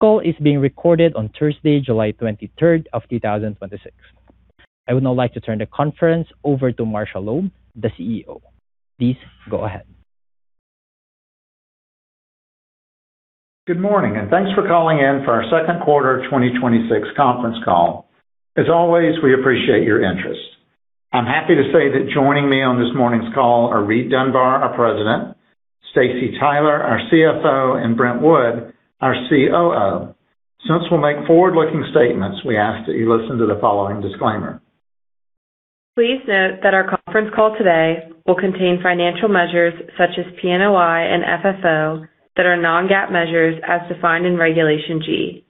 Call is being recorded on Thursday, July 23rd of 2026. I would now like to turn the conference over to Marshall Loeb, the CEO. Please go ahead. Good morning. Thanks for calling in for our second quarter 2026 conference call. As always, we appreciate your interest. I'm happy to say that joining me on this morning's call are Reid Dunbar, our President; Staci Tyler, our CFO; and Brent Wood, our COO. Since we'll make forward-looking statements, we ask that you listen to the following disclaimer. Please note that our conference call today will contain financial measures such as PNOI and FFO that are non-GAAP measures as defined in Regulation G.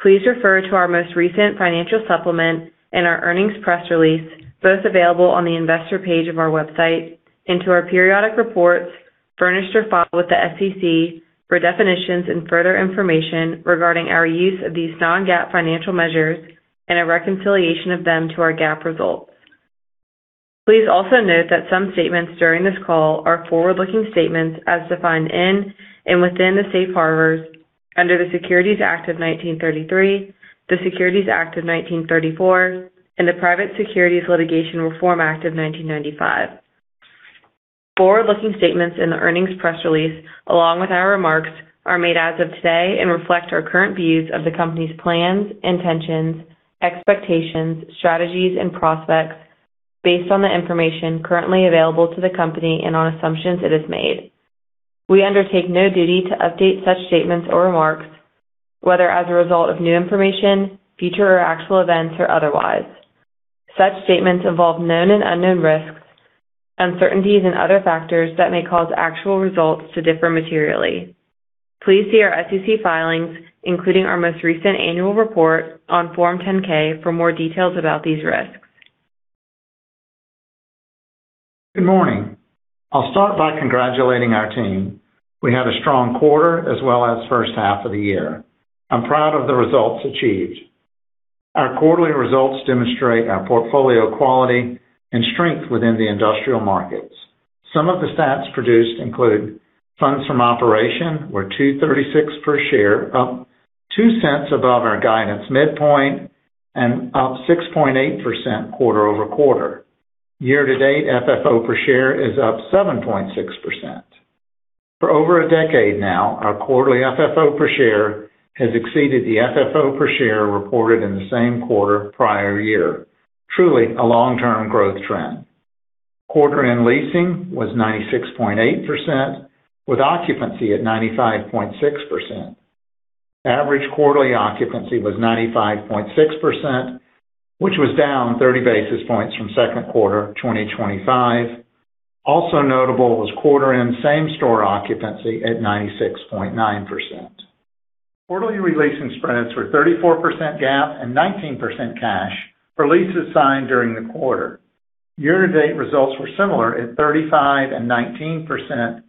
Please refer to our most recent financial supplement and our earnings press release, both available on the investor page of our website. To our periodic reports furnished or filed with the SEC for definitions and further information regarding our use of these non-GAAP financial measures and a reconciliation of them to our GAAP results. Please also note that some statements during this call are forward-looking statements as defined in, and within the safe harbors under the Securities Act of 1933, the Securities Act of 1934, and the Private Securities Litigation Reform Act of 1995. Forward-looking statements in the earnings press release, along with our remarks, are made as of today. Reflect our current views of the company's plans, intentions, expectations, strategies, and prospects based on the information currently available to the company. On assumptions it has made. We undertake no duty to update such statements or remarks, whether as a result of new information, future or actual events, or otherwise. Such statements involve known and unknown risks, uncertainties, and other factors that may cause actual results to differ materially. Please see our SEC filings, including our most recent annual report on Form 10-K, for more details about these risks. Good morning. I'll start by congratulating our team. We had a strong quarter as well as first half of the year. I'm proud of the results achieved. Our quarterly results demonstrate our portfolio quality and strength within the industrial markets. Some of the stats produced include funds from operation were 2.36 per share, up $0.02 above our guidance midpoint, and up 6.8% quarter-over-quarter. Year to date, FFO per share is up 7.6%. For over a decade now, our quarterly FFO per share has exceeded the FFO per share reported in the same quarter prior year. Truly a long-term growth trend. Quarter-end leasing was 96.8%, with occupancy at 95.6%. Average quarterly occupancy was 95.6%, which was down 30 basis points from second quarter 2025. Also notable was quarter-end same-store occupancy at 96.9%. Quarterly leasing spreads were 34% GAAP and 19% cash for leases signed during the quarter. Year to date results were similar at 35% and 19%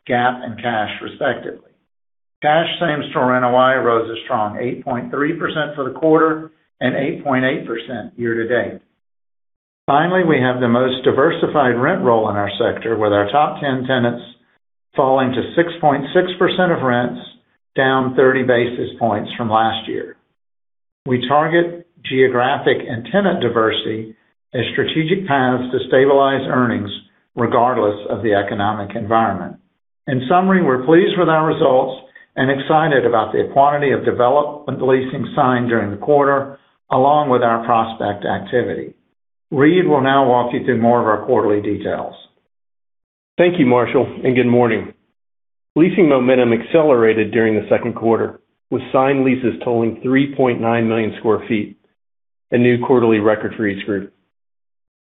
GAAP and cash, respectively. Cash same-store NOI rose a strong 8.3% for the quarter and 8.8% year to date. Finally, we have the most diversified rent roll in our sector, with our top 10 tenants falling to 6.6% of rents, down 30 basis points from last year. We target geographic and tenant diversity as strategic paths to stabilize earnings regardless of the economic environment. In summary, we're pleased with our results and excited about the quantity of development leasing signed during the quarter, along with our prospect activity. Reid will now walk you through more of our quarterly details. Thank you, Marshall. Good morning. Leasing momentum accelerated during the second quarter, with signed leases totaling 3.9 million sq ft, a new quarterly record for EastGroup.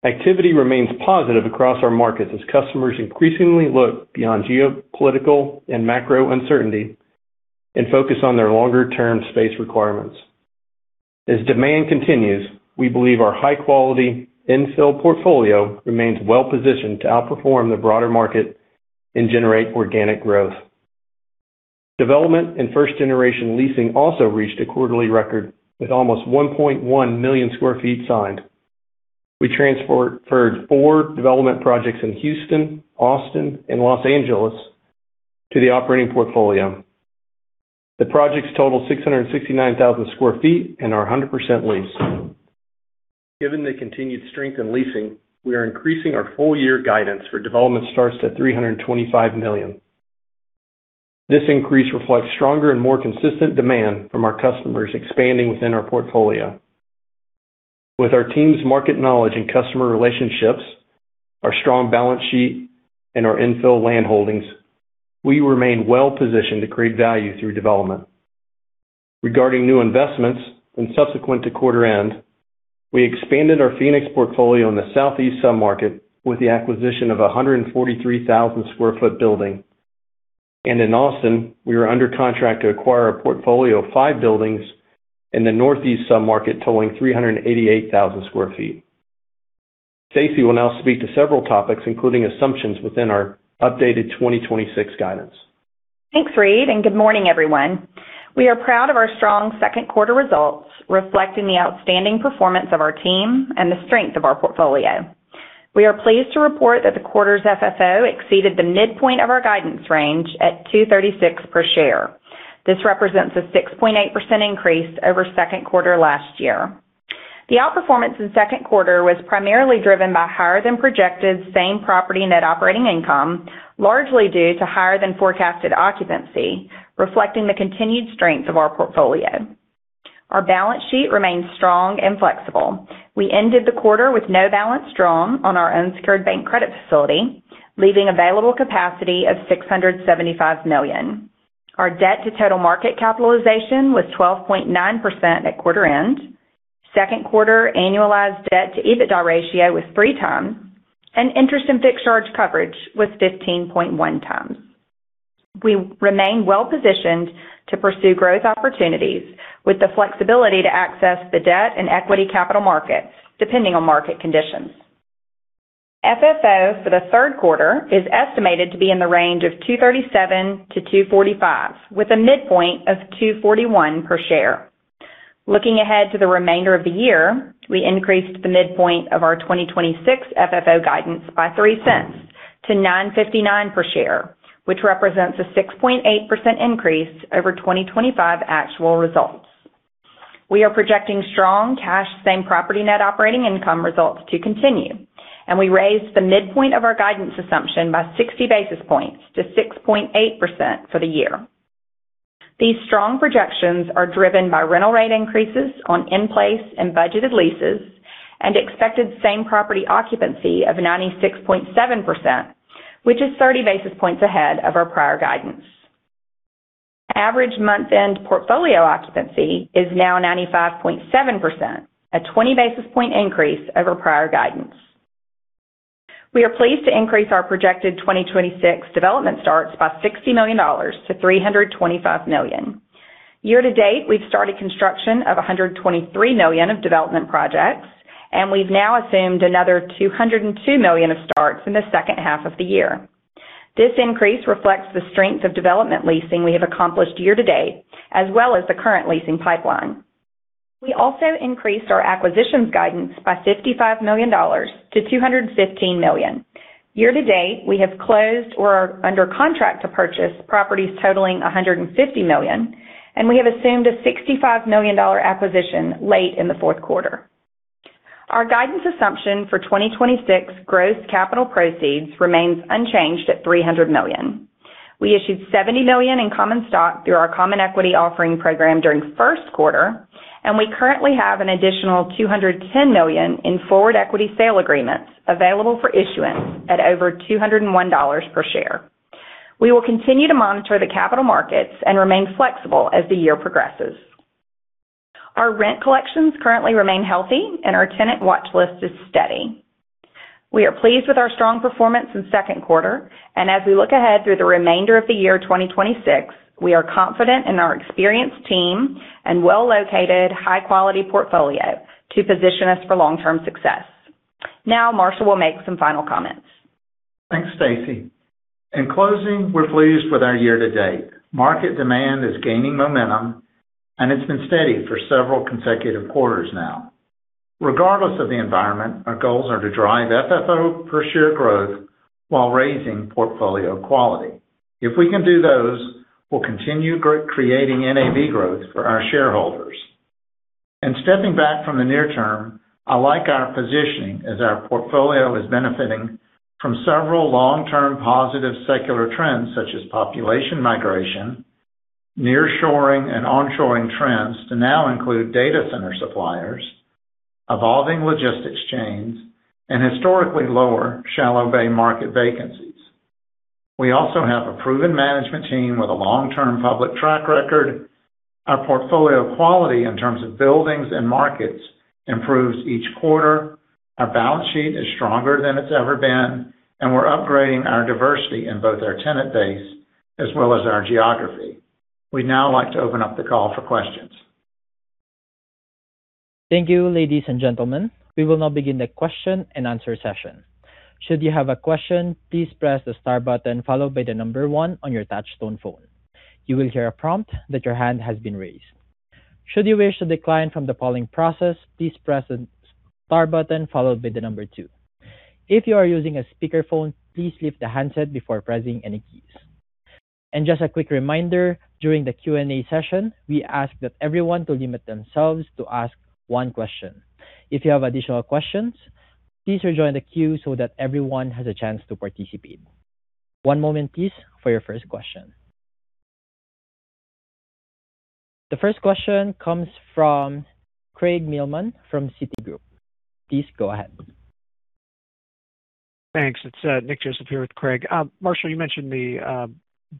Activity remains positive across our markets as customers increasingly look beyond geopolitical and macro uncertainty and focus on their longer-term space requirements. As demand continues, we believe our high-quality infill portfolio remains well positioned to outperform the broader market and generate organic growth. Development and first-generation leasing also reached a quarterly record, with almost 1.1 million sq ft signed. We transferred four development projects in Houston, Austin, and Los Angeles to the operating portfolio. The projects total 669,000 sq ft and are 100% leased. Given the continued strength in leasing, we are increasing our full-year guidance for development starts to $325 million. This increase reflects stronger and more consistent demand from our customers expanding within our portfolio. With our team's market knowledge and customer relationships, our strong balance sheet, and our infill land holdings, we remain well positioned to create value through development. Regarding new investments and subsequent to quarter end, we expanded our Phoenix portfolio in the southeast sub-market with the acquisition of a 143,000 sq ft building. In Austin, we are under contract to acquire a portfolio of five buildings in the northeast sub-market totaling 388,000 sq ft. Staci will now speak to several topics, including assumptions within our updated 2026 guidance. Thanks, Reid, and good morning, everyone. We are proud of our strong second quarter results, reflecting the outstanding performance of our team and the strength of our portfolio. We are pleased to report that the quarter's FFO exceeded the midpoint of our guidance range at $2.36 per share. This represents a 6.8% increase over second quarter last year. The outperformance in second quarter was primarily driven by higher than projected same property net operating income, largely due to higher than forecasted occupancy, reflecting the continued strength of our portfolio. Our balance sheet remains strong and flexible. We ended the quarter with no balance drawn on our unsecured bank credit facility, leaving available capacity of $675 million. Our debt to total market capitalization was 12.9% at quarter end. Second quarter annualized debt to EBITDA ratio was 3x, and interest and fixed charge coverage was 15.1x. We remain well-positioned to pursue growth opportunities with the flexibility to access the debt and equity capital markets, depending on market conditions. FFO for the third quarter is estimated to be in the range of $2.37-$2.45, with a midpoint of $2.41 per share. Looking ahead to the remainder of the year, we increased the midpoint of our 2026 FFO guidance by $0.03 to $9.59 per share, which represents a 6.8% increase over 2025 actual results. We are projecting strong cash, same property net operating income results to continue. We raised the midpoint of our guidance assumption by 60 basis points to 6.8% for the year. These strong projections are driven by rental rate increases on in-place and budgeted leases, and expected same property occupancy of 96.7%, which is 30 basis points ahead of our prior guidance. Average month-end portfolio occupancy is now 95.7%, a 20 basis point increase over prior guidance. We are pleased to increase our projected 2026 development starts by $60 million to $325 million. Year to date, we've started construction of $123 million of development projects. We've now assumed another $202 million of starts in the second half of the year. This increase reflects the strength of development leasing we have accomplished year to date, as well as the current leasing pipeline. We also increased our acquisitions guidance by $55 million to $215 million. Year to date, we have closed or are under contract to purchase properties totaling $150 million, and we have assumed a $65 million acquisition late in the fourth quarter. Our guidance assumption for 2026 gross capital proceeds remains unchanged at $300 million. We issued $70 million in common stock through our common equity offering program during first quarter. We currently have an additional $210 million in forward equity sale agreements available for issuance at over $201 per share. We will continue to monitor the capital markets and remain flexible as the year progresses. Our rent collections currently remain healthy, and our tenant watch list is steady. We are pleased with our strong performance in second quarter, and as we look ahead through the remainder of the year 2026, we are confident in our experienced team and well-located high-quality portfolio to position us for long-term success. Marshall will make some final comments. Thanks, Staci. In closing, we're pleased with our year to date. Market demand is gaining momentum, and it's been steady for several consecutive quarters now. Regardless of the environment, our goals are to drive FFO per share growth while raising portfolio quality. If we can do those, we'll continue creating NAV growth for our shareholders. Stepping back from the near term, I like our positioning as our portfolio is benefiting from several long-term positive secular trends, such as population migration. Nearshoring and onshoring trends to now include data center suppliers, evolving logistics chains, and historically lower shallow bay market vacancies. We also have a proven management team with a long-term public track record. Our portfolio quality in terms of buildings and markets improves each quarter. Our balance sheet is stronger than it's ever been, and we're upgrading our diversity in both our tenant base as well as our geography. We'd now like to open up the call for questions. Thank you, ladies and gentlemen. We will now begin the question and answer session. Should you have a question, please press the star button followed by the number one on your touch tone phone. You will hear a prompt that your hand has been raised. Should you wish to decline from the polling process, please press the star button followed by the number two. If you are using a speakerphone, please lift the handset before pressing any keys. Just a quick reminder, during the Q&A session, we ask that everyone to limit themselves to ask one question. If you have additional questions, please rejoin the queue so that everyone has a chance to participate. One moment please for your first question. The first question comes from Craig Mailman from Citigroup. Please go ahead. Thanks. It's Nick Joseph here with Craig. Marshall, you mentioned the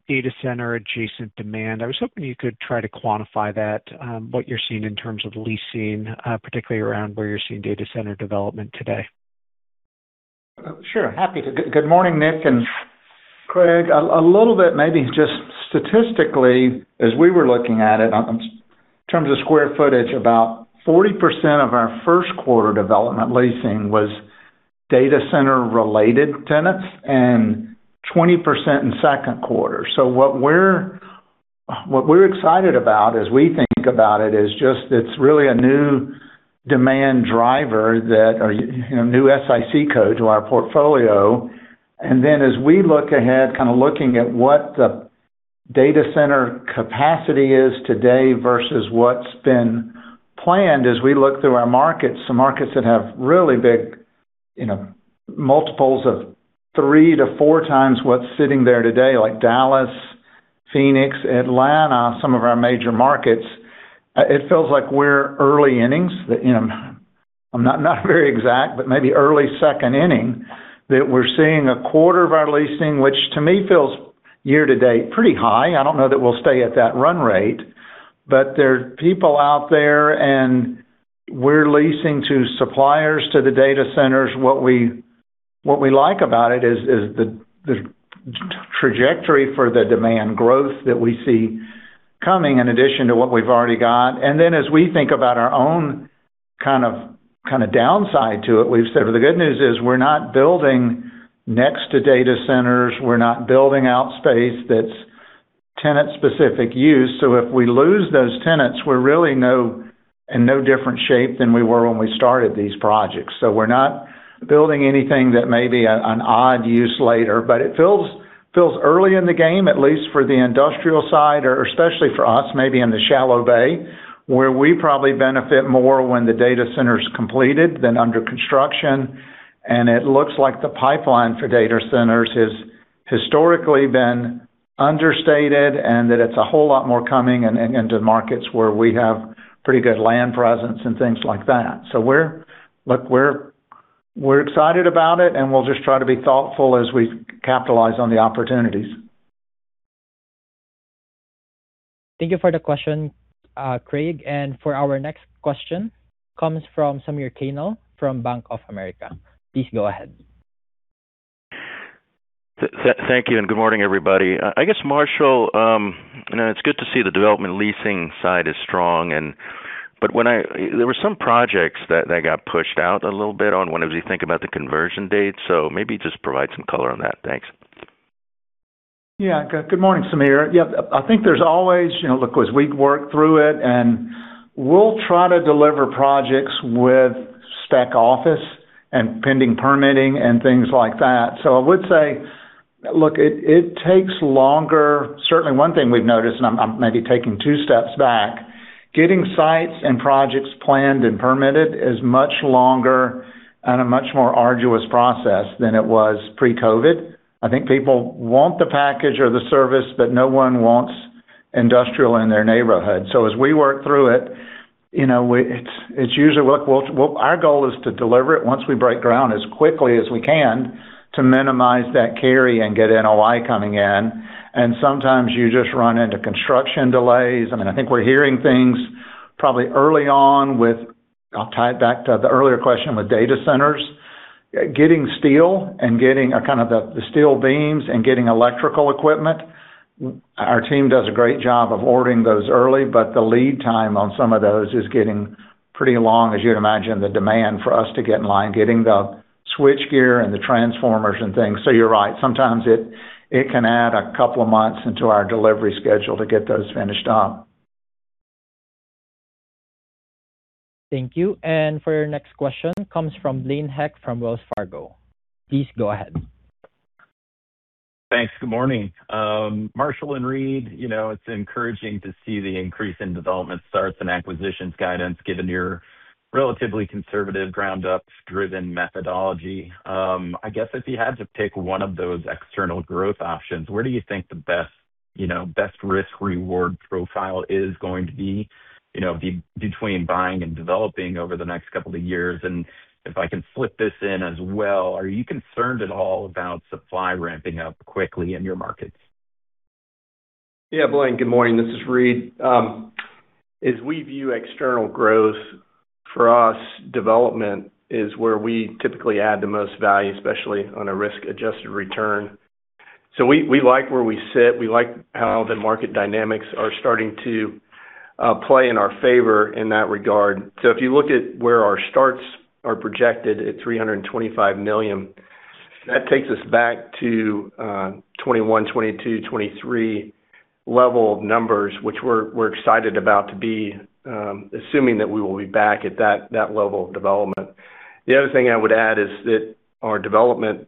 data center adjacent demand. I was hoping you could try to quantify that, what you're seeing in terms of leasing, particularly around where you're seeing data center development today. Sure. Happy to. Good morning, Nick and Craig. A little bit maybe just statistically, as we were looking at it in terms of square footage, about 40% of our first quarter development leasing was data center related tenants and 20% in second quarter. What we're excited about as we think about it is just it's really a new demand driver that a new SIC code to our portfolio. As we look ahead, kind of looking at what the data center capacity is today versus what's been planned as we look through our markets, some markets that have really big multiples of 3x to 4x what's sitting there today, like Dallas, Phoenix, Atlanta, some of our major markets, it feels like we're early innings. I'm not very exact, but maybe early second inning, that we're seeing a quarter of our leasing, which to me feels year to date, pretty high. I don't know that we'll stay at that run rate. There are people out there, and we're leasing to suppliers, to the data centers. What we like about it is the trajectory for the demand growth that we see coming in addition to what we've already got. As we think about our own kind of downside to it, we've said, well, the good news is we're not building next to data centers. We're not building out space that's tenant-specific use. If we lose those tenants, we're really in no different shape than we were when we started these projects. We're not building anything that may be an odd use later, but it feels early in the game, at least for the industrial side, or especially for us, maybe in the shallow bay, where we probably benefit more when the data center's completed than under construction. It looks like the pipeline for data centers has historically been understated, and that it's a whole lot more coming into markets where we have pretty good land presence and things like that. We're excited about it, and we'll just try to be thoughtful as we capitalize on the opportunities. Thank you for the question, Craig. For our next question, comes from Samir Khanal from Bank of America. Please go ahead. Thank you. Good morning, everybody. I guess, Marshall, it's good to see the development leasing side is strong. There were some projects that got pushed out a little bit on whenever you think about the conversion date. Maybe just provide some color on that. Thanks. Good morning, Samir. I think there's always, look, as we work through it, we'll try to deliver projects with spec office and pending permitting and things like that. I would say, look, it takes longer. Certainly, one thing we've noticed, I'm maybe taking two steps back, getting sites and projects planned and permitted is much longer and a much more arduous process than it was pre-COVID. I think people want the package or the service, no one wants industrial in their neighborhood. As we work through it, our goal is to deliver it once we break ground as quickly as we can to minimize that carry and get NOI coming in. Sometimes you just run into construction delays. I think we're hearing things probably early on with, I'll tie it back to the earlier question with data centers, getting steel and getting kind of the steel beams and getting electrical equipment. Our team does a great job of ordering those early, the lead time on some of those is getting pretty long, as you'd imagine, the demand for us to get in line, getting the switchgear and the transformers and things. You're right. Sometimes it can add a couple of months into our delivery schedule to get those finished up. Thank you. For your next question, comes from Blaine Heck from Wells Fargo. Please go ahead. Thanks. Good morning. Marshall and Reid, it's encouraging to see the increase in development starts and acquisitions guidance given your relatively conservative ground-up driven methodology. I guess if you had to pick one of those external growth options, where do you think the best risk-reward profile is going to be between buying and developing over the next couple of years? If I can flip this in as well, are you concerned at all about supply ramping up quickly in your markets? Yeah, Blaine, good morning. This is Reid. As we view external growth, for us, development is where we typically add the most value, especially on a risk-adjusted return. We like where we sit. We like how the market dynamics are starting to play in our favor in that regard. If you look at where our starts are projected at $325 million, that takes us back to 2021, 2022, 2023 level of numbers, which we're excited about to be, assuming that we will be back at that level of development. The other thing I would add is that our development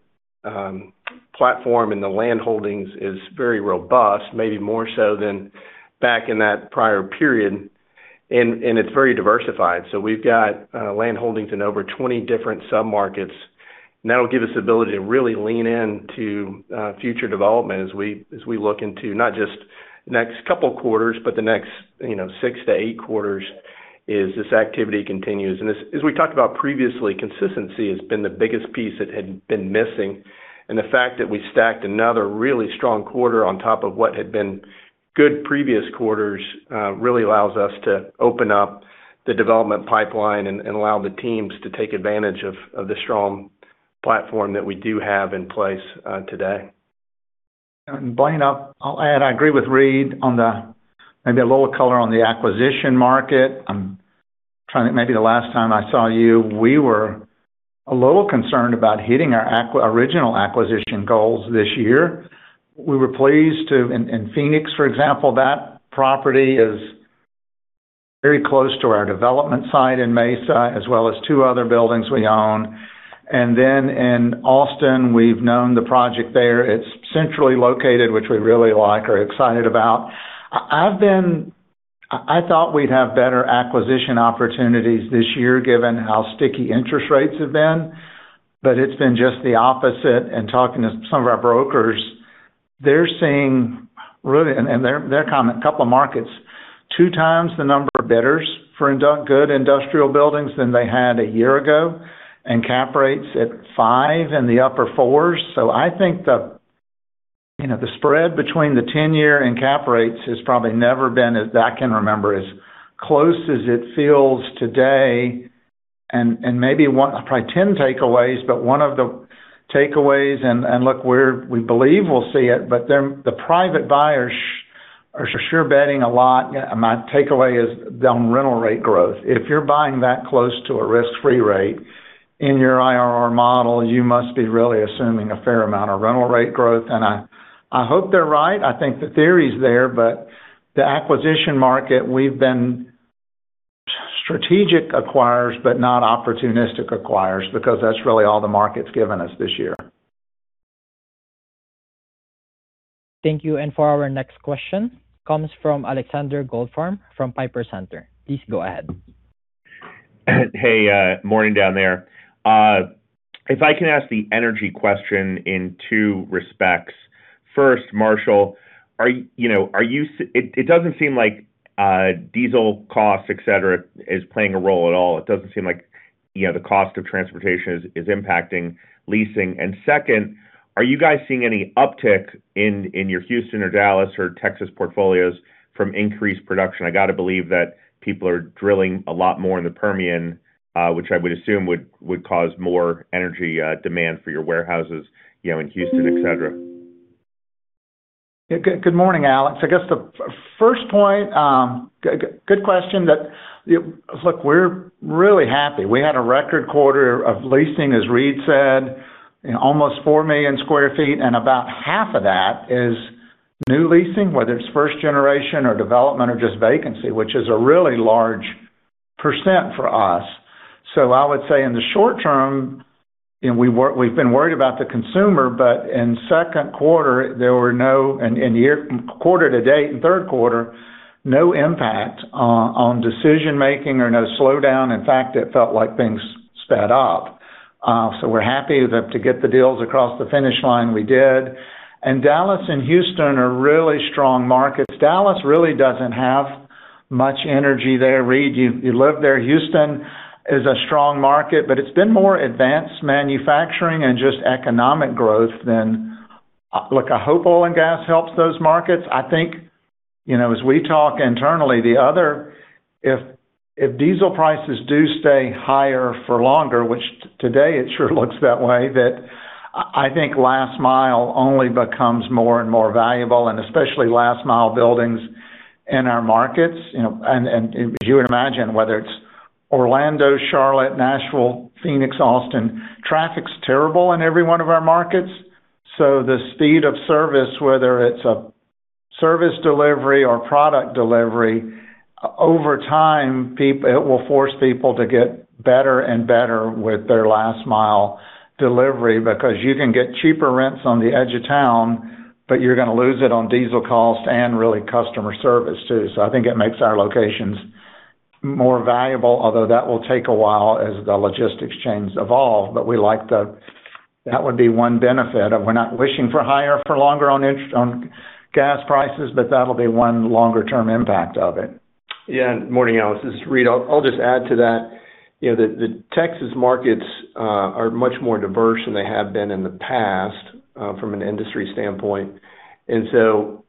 platform and the land holdings is very robust, maybe more so than back in that prior period, and it's very diversified. We've got land holdings in over 20 different submarkets, that'll give us the ability to really lean into future development as we look into not just the next couple quarters, but the next six to eight quarters as this activity continues. As we talked about previously, consistency has been the biggest piece that had been missing. The fact that we stacked another really strong quarter on top of what had been good previous quarters really allows us to open up the development pipeline and allow the teams to take advantage of the strong platform that we do have in place today. Blaine, I'll add, I agree with Reid on the, maybe a little color on the acquisition market. Trying to maybe the last time I saw you, we were a little concerned about hitting our original acquisition goals this year. We were pleased to, in Phoenix, for example, that property is very close to our development site in Mesa as well as two other buildings we own. Then in Austin, we've known the project there. It's centrally located, which we really like, are excited about. I thought we'd have better acquisition opportunities this year, given how sticky interest rates have been, but it's been just the opposite. Talking to some of our brokers, they're seeing, and they're comment, a couple of markets, two times the number of bidders for good industrial buildings than they had a year ago, and cap rates at five in the upper fours. I think the spread between the 10-year and cap rates has probably never been, as I can remember, as close as it feels today. Maybe probably 10 takeaways, but one of the takeaways, and look, we believe we'll see it, but the private buyers are sure betting a lot. My takeaway is rental rate growth. If you're buying that close to a risk-free rate in your IRR model, you must be really assuming a fair amount of rental rate growth. I hope they're right. I think the theory's there, but the acquisition market, we've been strategic acquirers but not opportunistic acquirers, because that's really all the market's given us this year. Thank you. For our next question, comes from Alexander Goldfarb from Piper Sandler. Please go ahead. Hey, morning down there. If I can ask the energy question in two respects. First, Marshall, it doesn't seem like diesel costs, et cetera, is playing a role at all. It doesn't seem like the cost of transportation is impacting leasing. Second, are you guys seeing any uptick in your Houston or Dallas or Texas portfolios from increased production? I got to believe that people are drilling a lot more in the Permian, which I would assume would cause more energy demand for your warehouses, in Houston, et cetera. Good morning, Alex. I guess the first point, good question. Look, we're really happy. We had a record quarter of leasing, as Reid said, almost 4 million sq ft, and about half of that is new leasing, whether it's first generation or development or just vacancy, which is a really large percent for us. I would say in the short term, we've been worried about the consumer, but in second quarter, there were no, and quarter to date in third quarter, no impact on decision-making or no slowdown. In fact, it felt like things sped up. We're happy to get the deals across the finish line we did. Dallas and Houston are really strong markets. Dallas really doesn't have much energy there. Reid, you live there. Houston is a strong market, but it's been more advanced manufacturing and just economic growth than. Look, I hope oil and gas helps those markets. I think, as we talk internally, if diesel prices do stay higher for longer, which today it sure looks that way, that I think last mile only becomes more and more valuable, and especially last mile buildings in our markets. As you would imagine, whether it's Orlando, Charlotte, Nashville, Phoenix, Austin, traffic's terrible in every one of our markets. The speed of service, whether it's a service delivery or product delivery, over time, it will force people to get better and better with their last mile delivery because you can get cheaper rents on the edge of town, but you're going to lose it on diesel cost and really customer service, too. I think it makes our locations more valuable, although that will take a while as the logistics chains evolve. That would be one benefit of we're not wishing for higher for longer on gas prices, but that will be one longer term impact of it. Morning, Alex. This is Reid. I'll just add to that. The Texas markets are much more diverse than they have been in the past from an industry standpoint.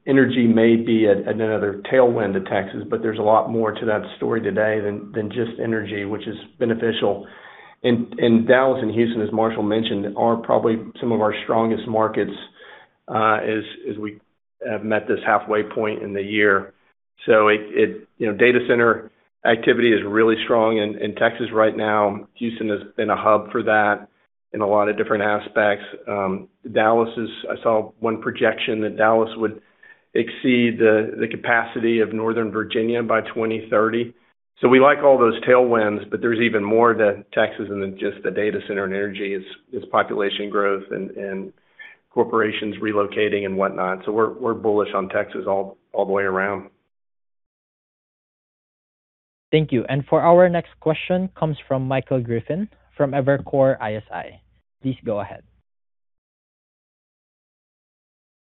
Energy may be another tailwind to Texas, but there's a lot more to that story today than just energy, which is beneficial. Dallas and Houston, as Marshall mentioned, are probably some of our strongest markets as we have met this halfway point in the year. Data center activity is really strong in Texas right now. Houston has been a hub for that in a lot of different aspects. Dallas is, I saw one projection that Dallas would exceed the capacity of Northern Virginia by 2030. We like all those tailwinds, but there's even more to Texas than just the data center and energy is population growth and corporations relocating and whatnot. We're bullish on Texas all the way around. Thank you. For our next question comes from Michael Griffin from Evercore ISI. Please go ahead.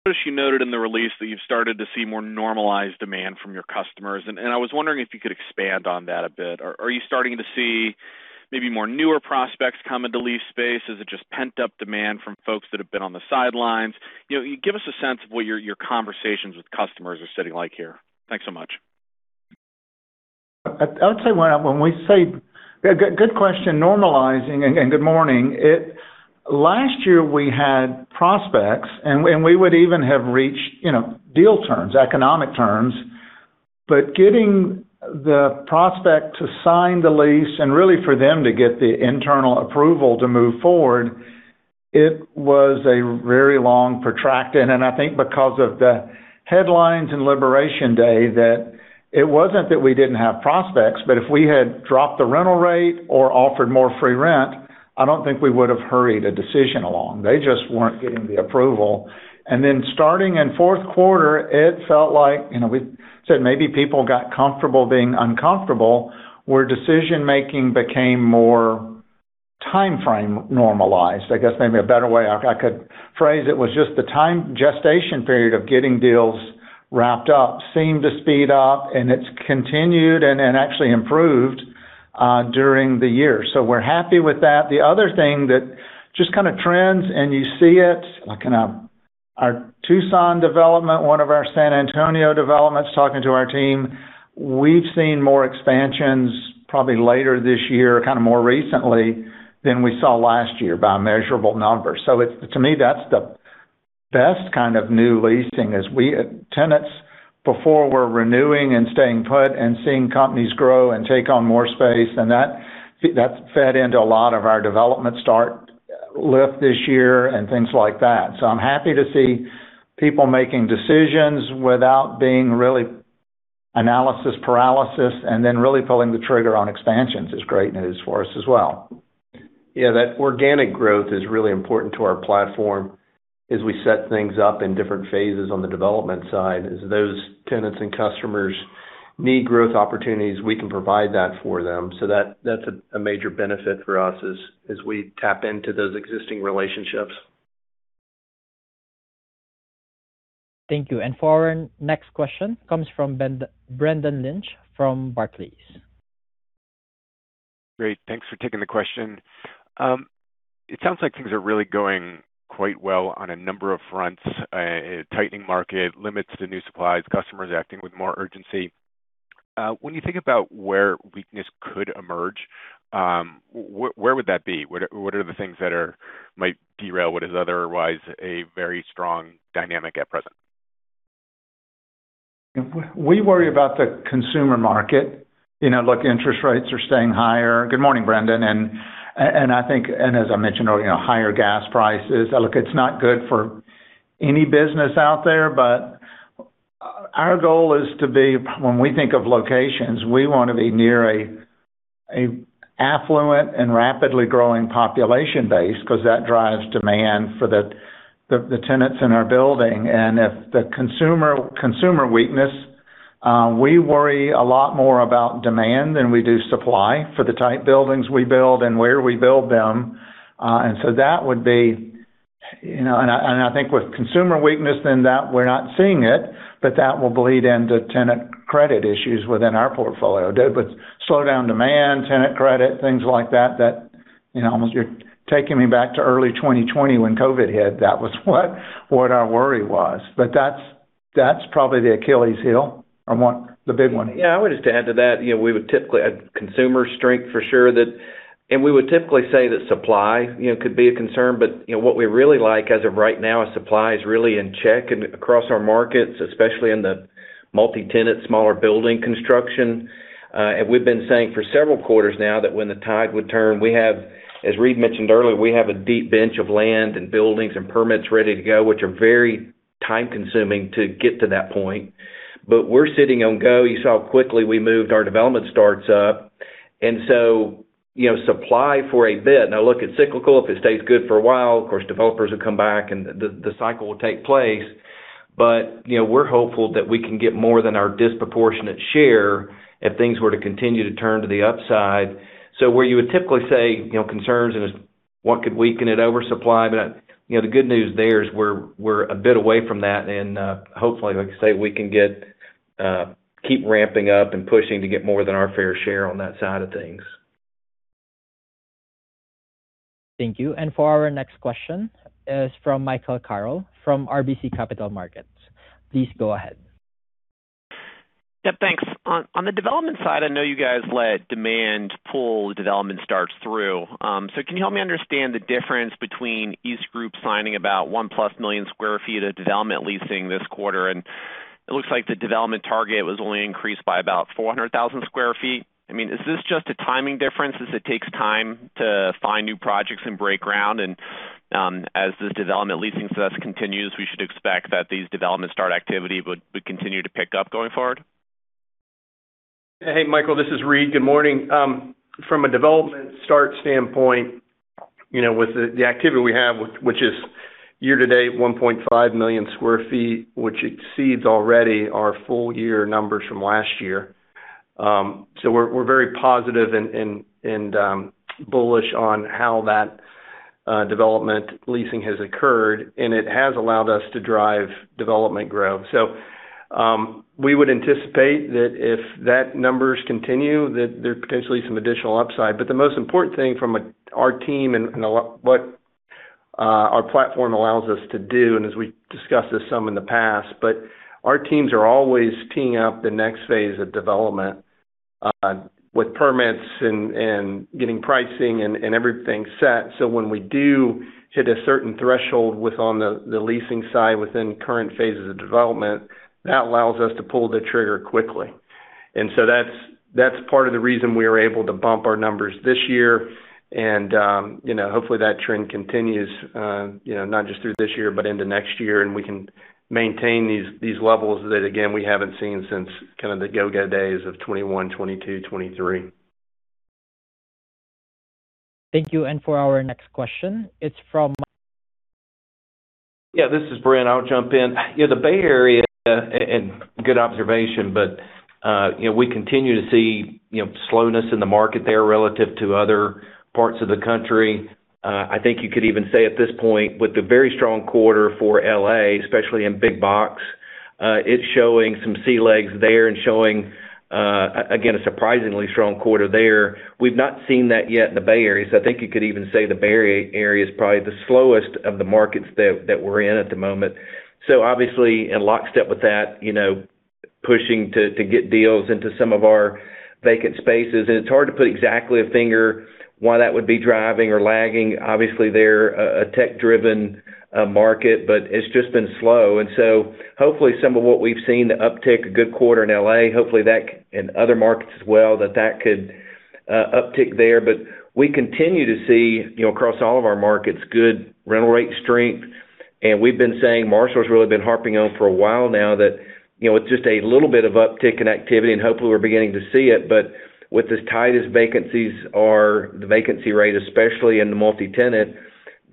I notice you noted in the release that you've started to see more normalized demand from your customers, and I was wondering if you could expand on that a bit. Are you starting to see maybe more newer prospects come into lease space? Is it just pent-up demand from folks that have been on the sidelines? Give us a sense of what your conversations with customers are sitting like here. Thanks so much. Good question, normalizing, and good morning. Last year we had prospects, and we would even have reached deal terms, economic terms. Getting the prospect to sign the lease and really for them to get the internal approval to move forward, it was a very long protracted, and I think because of the headlines and Liberation Day, that it wasn't that we didn't have prospects, but if we had dropped the rental rate or offered more free rent, I don't think we would've hurried a decision along. They just weren't getting the approval. Starting in fourth quarter, it felt like, we said maybe people got comfortable being uncomfortable, where decision-making became more timeframe normalized. I guess maybe a better way I could phrase it was just the time gestation period of getting deals wrapped up seemed to speed up, and it's continued and actually improved during the year. We're happy with that. The other thing that just kind of trends and you see it, like in our Tucson development, one of our San Antonio developments, talking to our team. We've seen more expansions probably later this year, kind of more recently, than we saw last year by a measurable number. To me, that's the best kind of new leasing, is we had tenants before were renewing and staying put and seeing companies grow and take on more space, and that fed into a lot of our development start lift this year and things like that. I'm happy to see people making decisions without being really analysis paralysis and then really pulling the trigger on expansions is great news for us as well. Yeah, that organic growth is really important to our platform as we set things up in different phases on the development side. As those tenants and customers need growth opportunities, we can provide that for them. That's a major benefit for us as we tap into those existing relationships. Thank you. For our next question, comes from Brendan Lynch from Barclays. Great. Thanks for taking the question. It sounds like things are really going quite well on a number of fronts. A tightening market, limits to new supplies, customers acting with more urgency. When you think about where weakness could emerge, where would that be? What are the things that might derail what is otherwise a very strong dynamic at present? We worry about the consumer market. Look, interest rates are staying higher. Good morning, Brendan. As I mentioned earlier, higher gas prices. Look, it's not good for any business out there, but our goal is to be, when we think of locations, we want to be near an affluent and rapidly growing population base, because that drives demand for the tenants in our building. If the consumer weakness, we worry a lot more about demand than we do supply for the type buildings we build and where we build them. I think with consumer weakness and that we're not seeing it, that will bleed into tenant credit issues within our portfolio. Slow down demand, tenant credit, things like that, almost you're taking me back to early 2020 when COVID hit. That was what our worry was. That's probably the Achilles heel, or the big one. Yeah. I would just add to that. Consumer strength, for sure. We would typically say that supply could be a concern, but what we really like as of right now is supply is really in check and across our markets, especially in the multi-tenant, smaller building construction. We've been saying for several quarters now that when the tide would turn, as Reid mentioned earlier, we have a deep bench of land and buildings and permits ready to go, which are very time-consuming to get to that point. We're sitting on go. You saw how quickly we moved our development starts up. So, supply for a bit. Now look, it's cyclical. If it stays good for a while, of course, developers will come back and the cycle will take place. We're hopeful that we can get more than our disproportionate share if things were to continue to turn to the upside. Where you would typically say concerns and what could weaken it, oversupply, but the good news there is we're a bit away from that and, hopefully, like I say, we can keep ramping up and pushing to get more than our fair share on that side of things. Thank you. For our next question is from Michael Carroll from RBC Capital Markets. Please go ahead. Yeah, thanks. On the development side, I know you guys let demand pull the development starts through. Can you help me understand the difference between EastGroup signing about 1 million+ sq ft of development leasing this quarter, and it looks like the development target was only increased by about 400,000 sq ft. Is this just a timing difference, as it takes time to find new projects and break ground? As this development leasing success continues, we should expect that these development start activity would continue to pick up going forward? Hey, Michael, this is Reid. Good morning. From a development start standpoint, with the activity we have, which is year to date, 1.5 million sq ft, which exceeds already our full year numbers from last year. We're very positive and bullish on how that development leasing has occurred, and it has allowed us to drive development growth. We would anticipate that if that numbers continue, that there's potentially some additional upside. The most important thing from our team and what our platform allows us to do, and as we discussed this some in the past, but our teams are always teeing up the next phase of development with permits and getting pricing and everything set. When we do hit a certain threshold on the leasing side within current phases of development, that allows us to pull the trigger quickly. That's part of the reason we are able to bump our numbers this year. Hopefully that trend continues, not just through this year but into next year, and we can maintain these levels that, again, we haven't seen since kind of the go-go days of 2021, 2022, 2023. Thank you. For our next question, it's from- Yeah, this is Brent. I'll jump in. The Bay Area, good observation, but we continue to see slowness in the market there relative to other parts of the country. I think you could even say at this point, with the very strong quarter for L.A., especially in big box, it's showing some sea legs there and showing, again, a surprisingly strong quarter there. We've not seen that yet in the Bay Area. I think you could even say the Bay Area is probably the slowest of the markets that we're in at the moment. Obviously, in lockstep with that, pushing to get deals into some of our vacant spaces. It's hard to put exactly a finger why that would be driving or lagging. Obviously, they're a tech-driven market, but it's just been slow. Hopefully some of what we've seen uptick a good quarter in L.A., hopefully that and other markets as well, that that could uptick there. We continue to see, across all of our markets, good rental rate strength. We've been saying, Marshall's really been harping on for a while now that, with just a little bit of uptick in activity, and hopefully we're beginning to see it, but with as tight as vacancies are, the vacancy rate, especially in the multi-tenant,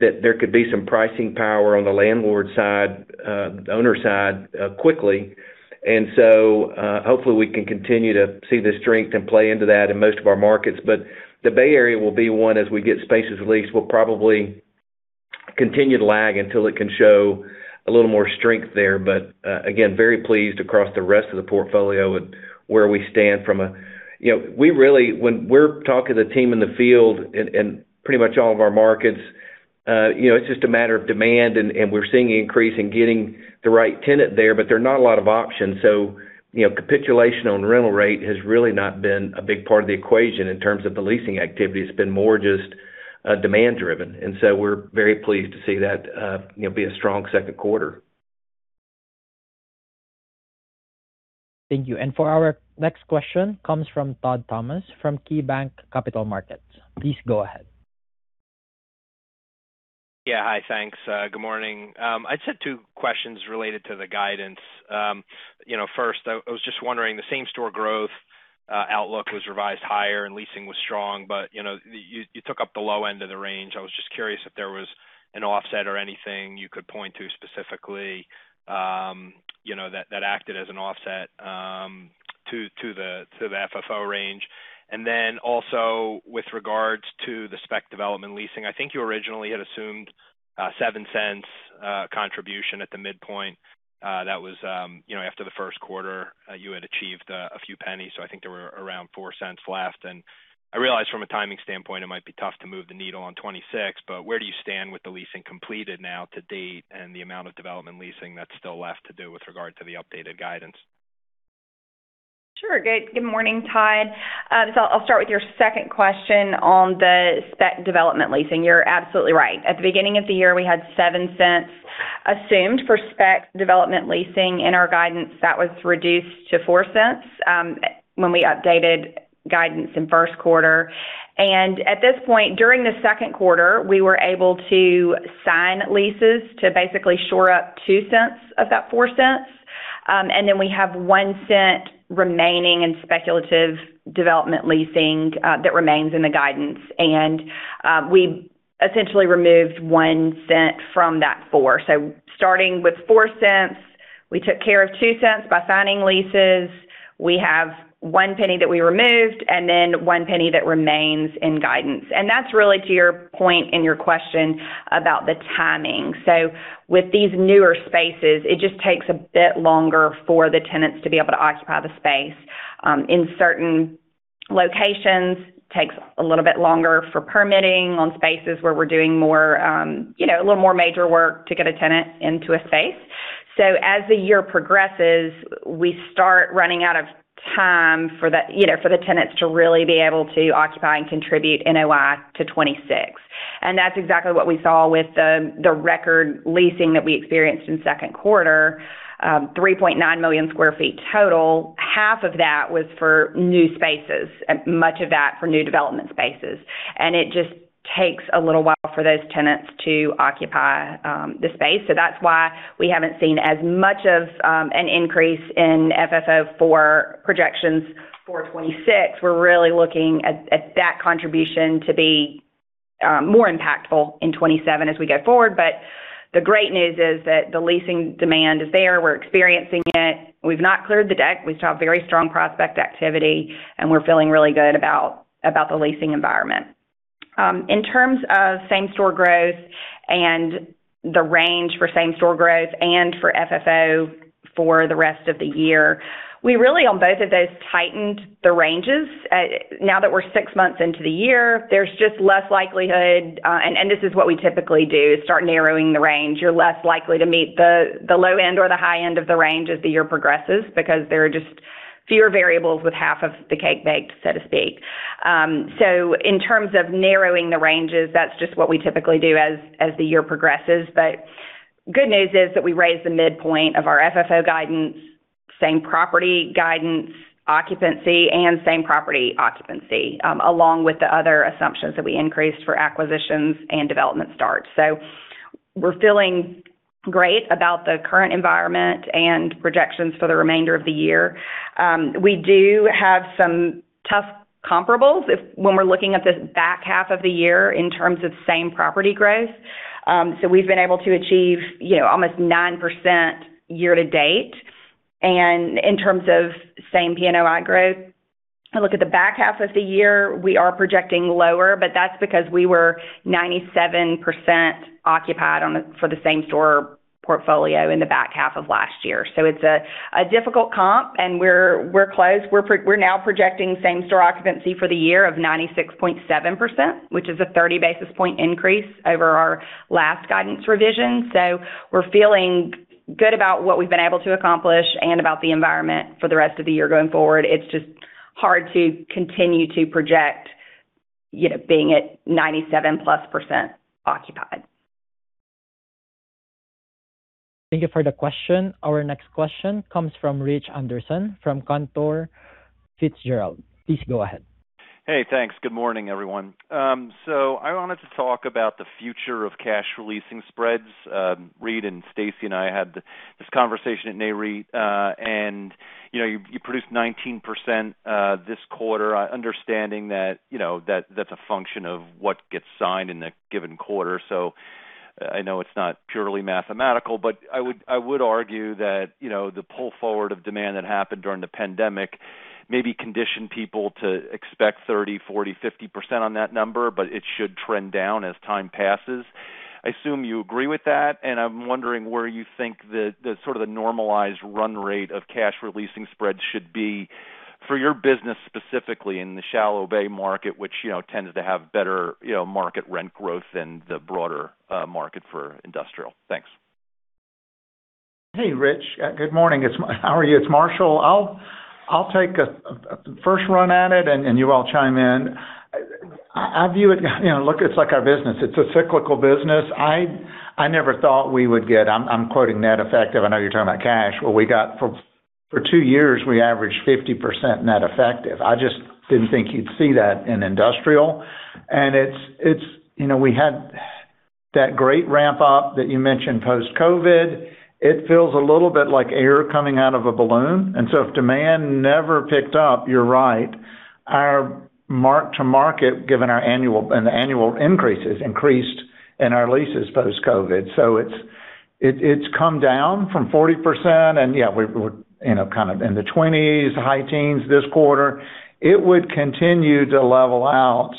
that there could be some pricing power on the landlord side, owner side quickly. Hopefully we can continue to see the strength and play into that in most of our markets. The Bay Area will be one as we get spaces leased. We'll probably continue to lag until it can show a little more strength there. Again, very pleased across the rest of the portfolio and where we stand. When we're talking to the team in the field in pretty much all of our markets, it's just a matter of demand, and we're seeing an increase in getting the right tenant there, but there are not a lot of options. Capitulation on rental rate has really not been a big part of the equation in terms of the leasing activity. It's been more just demand-driven. We're very pleased to see that be a strong second quarter. Thank you. For our next question comes from Todd Thomas, from KeyBanc Capital Markets. Please go ahead. Yeah. Hi. Thanks. Good morning. I just had two questions related to the guidance. First, I was just wondering, the same-store growth outlook was revised higher and leasing was strong, but you took up the low end of the range. I was just curious if there was an offset or anything you could point to specifically, that acted as an offset to the FFO range. Also with regards to the spec development leasing, I think you originally had assumed $0.07 contribution at the midpoint. That was after the first quarter, you had achieved a few pennies. I think there were around $0.04 left. I realize from a timing standpoint, it might be tough to move the needle on 2026. Where do you stand with the leasing completed now to date and the amount of development leasing that's still left to do with regard to the updated guidance? Sure. Good morning, Todd. I'll start with your second question on the spec development leasing. You're absolutely right. At the beginning of the year, we had $0.07 assumed for spec development leasing in our guidance. That was reduced to $0.04 when we updated guidance in first quarter. At this point during the second quarter, we were able to sign leases to basically shore up $0.02 of that $0.04. Then we have $0.01 remaining in speculative development leasing that remains in the guidance. We essentially removed $0.01 from that $0.04. Starting with $0.04, we took care of $0.02 by signing leases. We have $0.01 that we removed and then $0.01 that remains in guidance. That's really to your point in your question about the timing. With these newer spaces, it just takes a bit longer for the tenants to be able to occupy the space. In certain locations, takes a little bit longer for permitting on spaces where we're doing a little more major work to get a tenant into a space. As the year progresses, we start running out of time for the tenants to really be able to occupy and contribute NOI to 2026. That's exactly what we saw with the record leasing that we experienced in second quarter, 3.9 million sq ft total. Half of that was for new spaces, much of that for new development spaces. It just takes a little while for those tenants to occupy the space. That's why we haven't seen as much of an increase in FFO for projections for 2026. We're really looking at that contribution to be more impactful in 2027 as we go forward. The great news is that the leasing demand is there. We're experiencing it. We've not cleared the deck. We saw very strong prospect activity, and we're feeling really good about the leasing environment. In terms of same-store growth and the range for same-store growth and for FFO for the rest of the year, we really, on both of those, tightened the ranges. Now that we're six months into the year, there's just less likelihood, and this is what we typically do, start narrowing the range. You're less likely to meet the low end or the high end of the range as the year progresses because Fewer variables with half of the cake baked, so to speak. In terms of narrowing the ranges, that's just what we typically do as the year progresses. Good news is that we raised the midpoint of our FFO guidance, same property guidance occupancy, and same property occupancy, along with the other assumptions that we increased for acquisitions and development starts. We're feeling great about the current environment and projections for the remainder of the year. We do have some tough comparables when we're looking at the back half of the year in terms of same property growth. We've been able to achieve almost 9% year-to-date. In terms of same PNOI growth, I look at the back half of the year, we are projecting lower, but that's because we were 97% occupied for the same store portfolio in the back half of last year. It's a difficult comp, and we're close. We're now projecting same store occupancy for the year of 96.7%, which is a 30 basis point increase over our last guidance revision. We're feeling good about what we've been able to accomplish and about the environment for the rest of the year going forward. It's just hard to continue to project being at 97%+ occupied. Thank you for the question. Our next question comes from Rich Anderson from Cantor Fitzgerald. Please go ahead. Hey, thanks. Good morning, everyone. I wanted to talk about the future of cash releasing spreads. Reid and Staci and I had this conversation at NAREIT. You produced 19% this quarter. Understanding that that's a function of what gets signed in a given quarter, I know it's not purely mathematical. I would argue that the pull forward of demand that happened during the pandemic maybe conditioned people to expect 30%, 40%, 50% on that number, but it should trend down as time passes. I assume you agree with that, and I'm wondering where you think the sort of the normalized run rate of cash releasing spreads should be for your business, specifically in the shallow bay market, which tends to have better market rent growth than the broader market for industrial. Thanks. Hey, Rich. Good morning. How are you? It's Marshall. I'll take a first run at it, you all chime in. I view it, look, it's like our business. It's a cyclical business. I never thought we would get I'm quoting net effective, I know you're talking about cash. For two years, we averaged 50% net effective. I just didn't think you'd see that in industrial. We had that great ramp up that you mentioned post-COVID. It feels a little bit like air coming out of a balloon. If demand never picked up, you're right, our mark to market, given our annual increases, increased in our leases post-COVID. It's come down from 40% and yeah, we're kind of in the 20s, high teens this quarter. It would continue to level out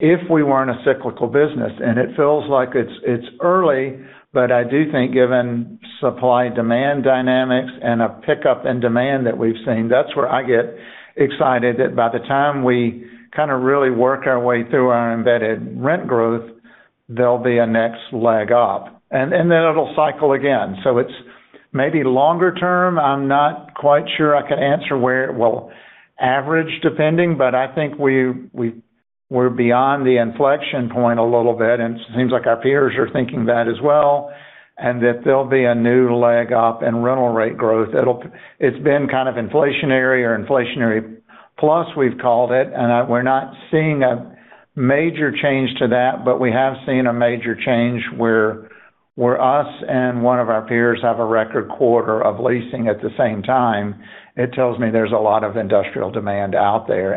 if we weren't a cyclical business, and it feels like it's early, but I do think given supply-demand dynamics and a pickup in demand that we've seen, that's where I get excited that by the time we kind of really work our way through our embedded rent growth, there'll be a next leg up. Then it'll cycle again. It's maybe longer term. I'm not quite sure I could answer where it will average depending, but I think we're beyond the inflection point a little bit, and it seems like our peers are thinking that as well, and that there'll be a new leg up in rental rate growth. It's been kind of inflationary or inflationary plus, we've called it, and we're not seeing a major change to that, but we have seen a major change where us and one of our peers have a record quarter of leasing at the same time. It tells me there's a lot of industrial demand out there.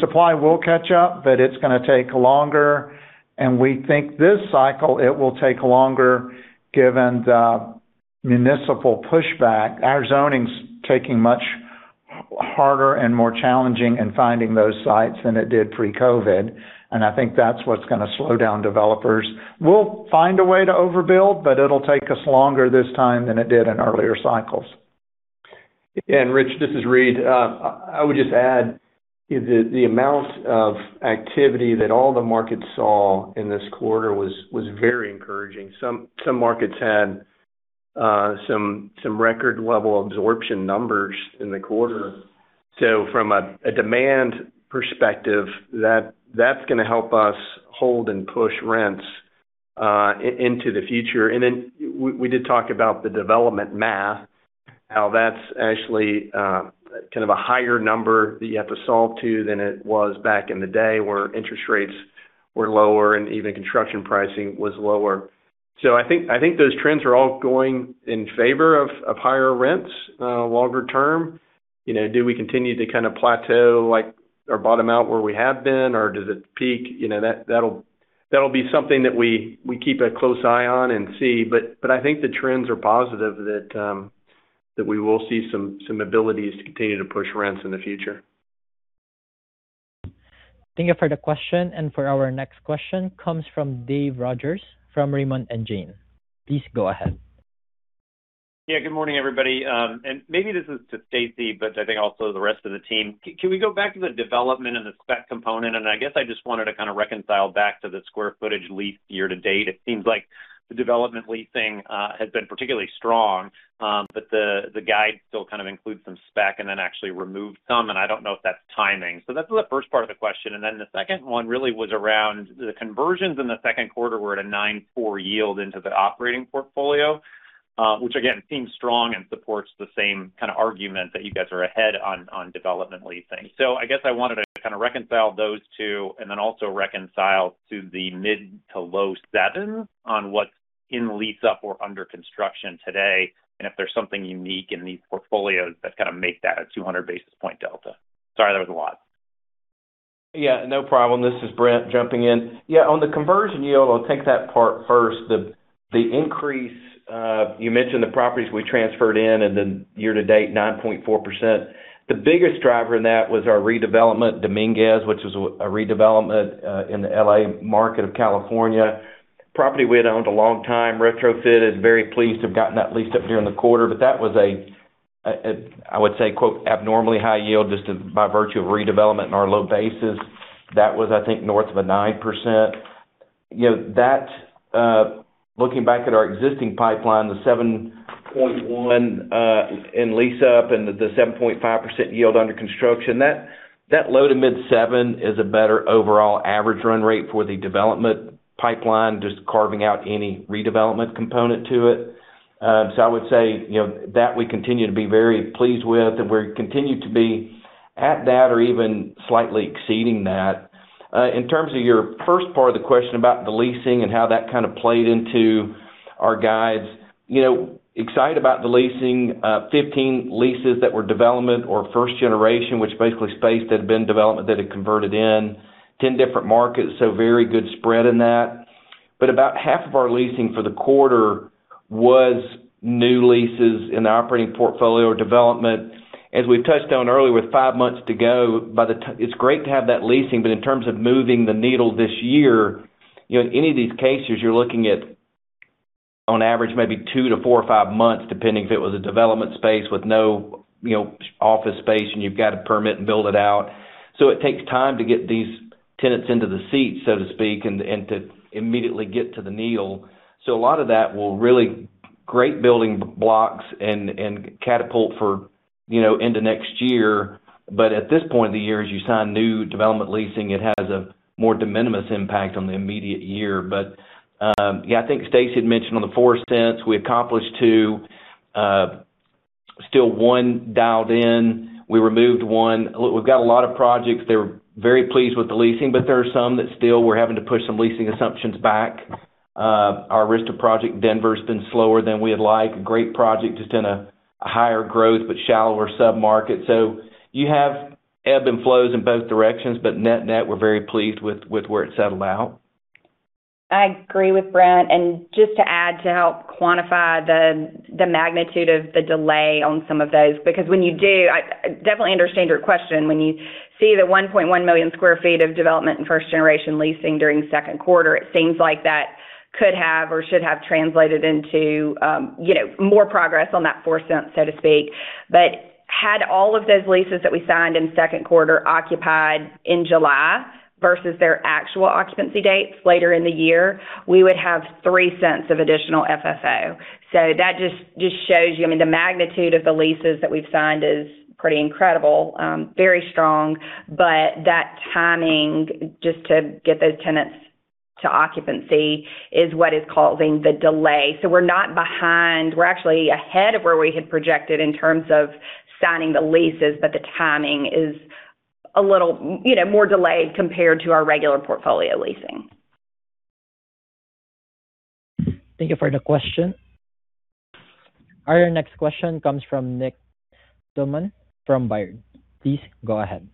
Supply will catch up, but it's going to take longer, and we think this cycle, it will take longer given the municipal pushback. Our zoning's taking much harder and more challenging in finding those sites than it did pre-COVID, and I think that's what's going to slow down developers. We'll find a way to overbuild, but it'll take us longer this time than it did in earlier cycles. Rich, this is Reid. I would just add the amount of activity that all the markets saw in this quarter was very encouraging. Some markets had some record level absorption numbers in the quarter. From a demand perspective, that's going to help us hold and push rents into the future. Then we did talk about the development math, how that's actually kind of a higher number that you have to solve to than it was back in the day where interest rates were lower and even construction pricing was lower. I think those trends are all going in favor of higher rents longer term. Do we continue to kind of plateau like or bottom out where we have been, or does it peak? That'll be something that we keep a close eye on and see. I think the trends are positive that we will see some abilities to continue to push rents in the future. Thank you for the question. For our next question comes from David Rodgers from Raymond James. Please go ahead. Yeah. Good morning, everybody. Maybe this is to Staci, but I think also the rest of the team. Can we go back to the development and the spec component? I guess I just wanted to kind of reconcile back to the square footage leased year to date. It seems like the development leasing has been particularly strong, but the guide still kind of includes some spec and then actually removed some, and I don't know if that's timing. That's the first part of the question, and the second one really was around the conversions in the second quarter were at a 9.4% yield into the operating portfolio, which again, seems strong and supports the same kind of argument that you guys are ahead on development leasing. I guess I wanted to kind of reconcile those two and then also reconcile to the mid to low sevens on what's in lease up or under construction today, and if there's something unique in these portfolios that kind of make that a 200 basis point delta. Sorry, that was a lot. No problem. This is Brent jumping in. On the conversion yield, I'll take that part first. The increase, you mentioned the properties we transferred in year to date, 9.4%. The biggest driver in that was our redevelopment, Dominguez, which was a redevelopment in the L.A. market of California. Property we had owned a long time, retrofit it. Very pleased to have gotten that leased up during the quarter. That was a, I would say, quote, "abnormally high yield," just by virtue of redevelopment and our low bases. That was, I think, north of a 9%. Looking back at our existing pipeline, the 7.1% in lease up and the 7.5% yield under construction, that low to mid seven is a better overall average run rate for the development pipeline, just carving out any redevelopment component to it. I would say, that we continue to be very pleased with, if we continue to be at that or even slightly exceeding that. In terms of your first part of the question about the leasing and how that kind of played into our guides. Excited about the leasing, 15 leases that were development or first generation, which basically space that had been development that had converted in 10 different markets, very good spread in that. About half of our leasing for the quarter was new leases in the operating portfolio or development. As we've touched on earlier, with five months to go, it's great to have that leasing. In terms of moving the needle this year, in any of these cases, you're looking at, on average, maybe two to four or five months, depending if it was a development space with no office space and you've got to permit and build it out. It takes time to get these tenants into the seat, so to speak, and to immediately get to the needle. A lot of that will really great building blocks and catapult into next year. At this point in the year, as you sign new development leasing, it has a more de minimis impact on the immediate year. Yeah, I think Staci had mentioned on the $0.04, we accomplished $0.02. Still $0.01 dialed in. We removed $0.01. Look, we've got a lot of projects. They were very pleased with the leasing, but there are some that still we're having to push some leasing assumptions back. Our Arista project, Denver's been slower than we had liked. A great project, just in a higher growth, but shallower sub-market. You have ebb and flows in both directions, but net-net, we're very pleased with where it settled out. I agree with Brent, and just to add to help quantify the magnitude of the delay on some of those, because when you do I definitely understand your question. When you see the 1.1 million sq ft of development in first-generation leasing during the second quarter, it seems like that could have or should have translated into more progress on that $0.04, so to speak. Had all of those leases that we signed in the second quarter occupied in July versus their actual occupancy dates later in the year, we would have $0.03 of additional FFO. That just shows you, I mean, the magnitude of the leases that we've signed is pretty incredible. Very strong. That timing, just to get those tenants to occupancy, is what is causing the delay. We're not behind. We're actually ahead of where we had projected in terms of signing the leases, but the timing is a little more delayed compared to our regular portfolio leasing. Thank you for the question. Our next question comes from Nick Thillman from Baird. Please go ahead.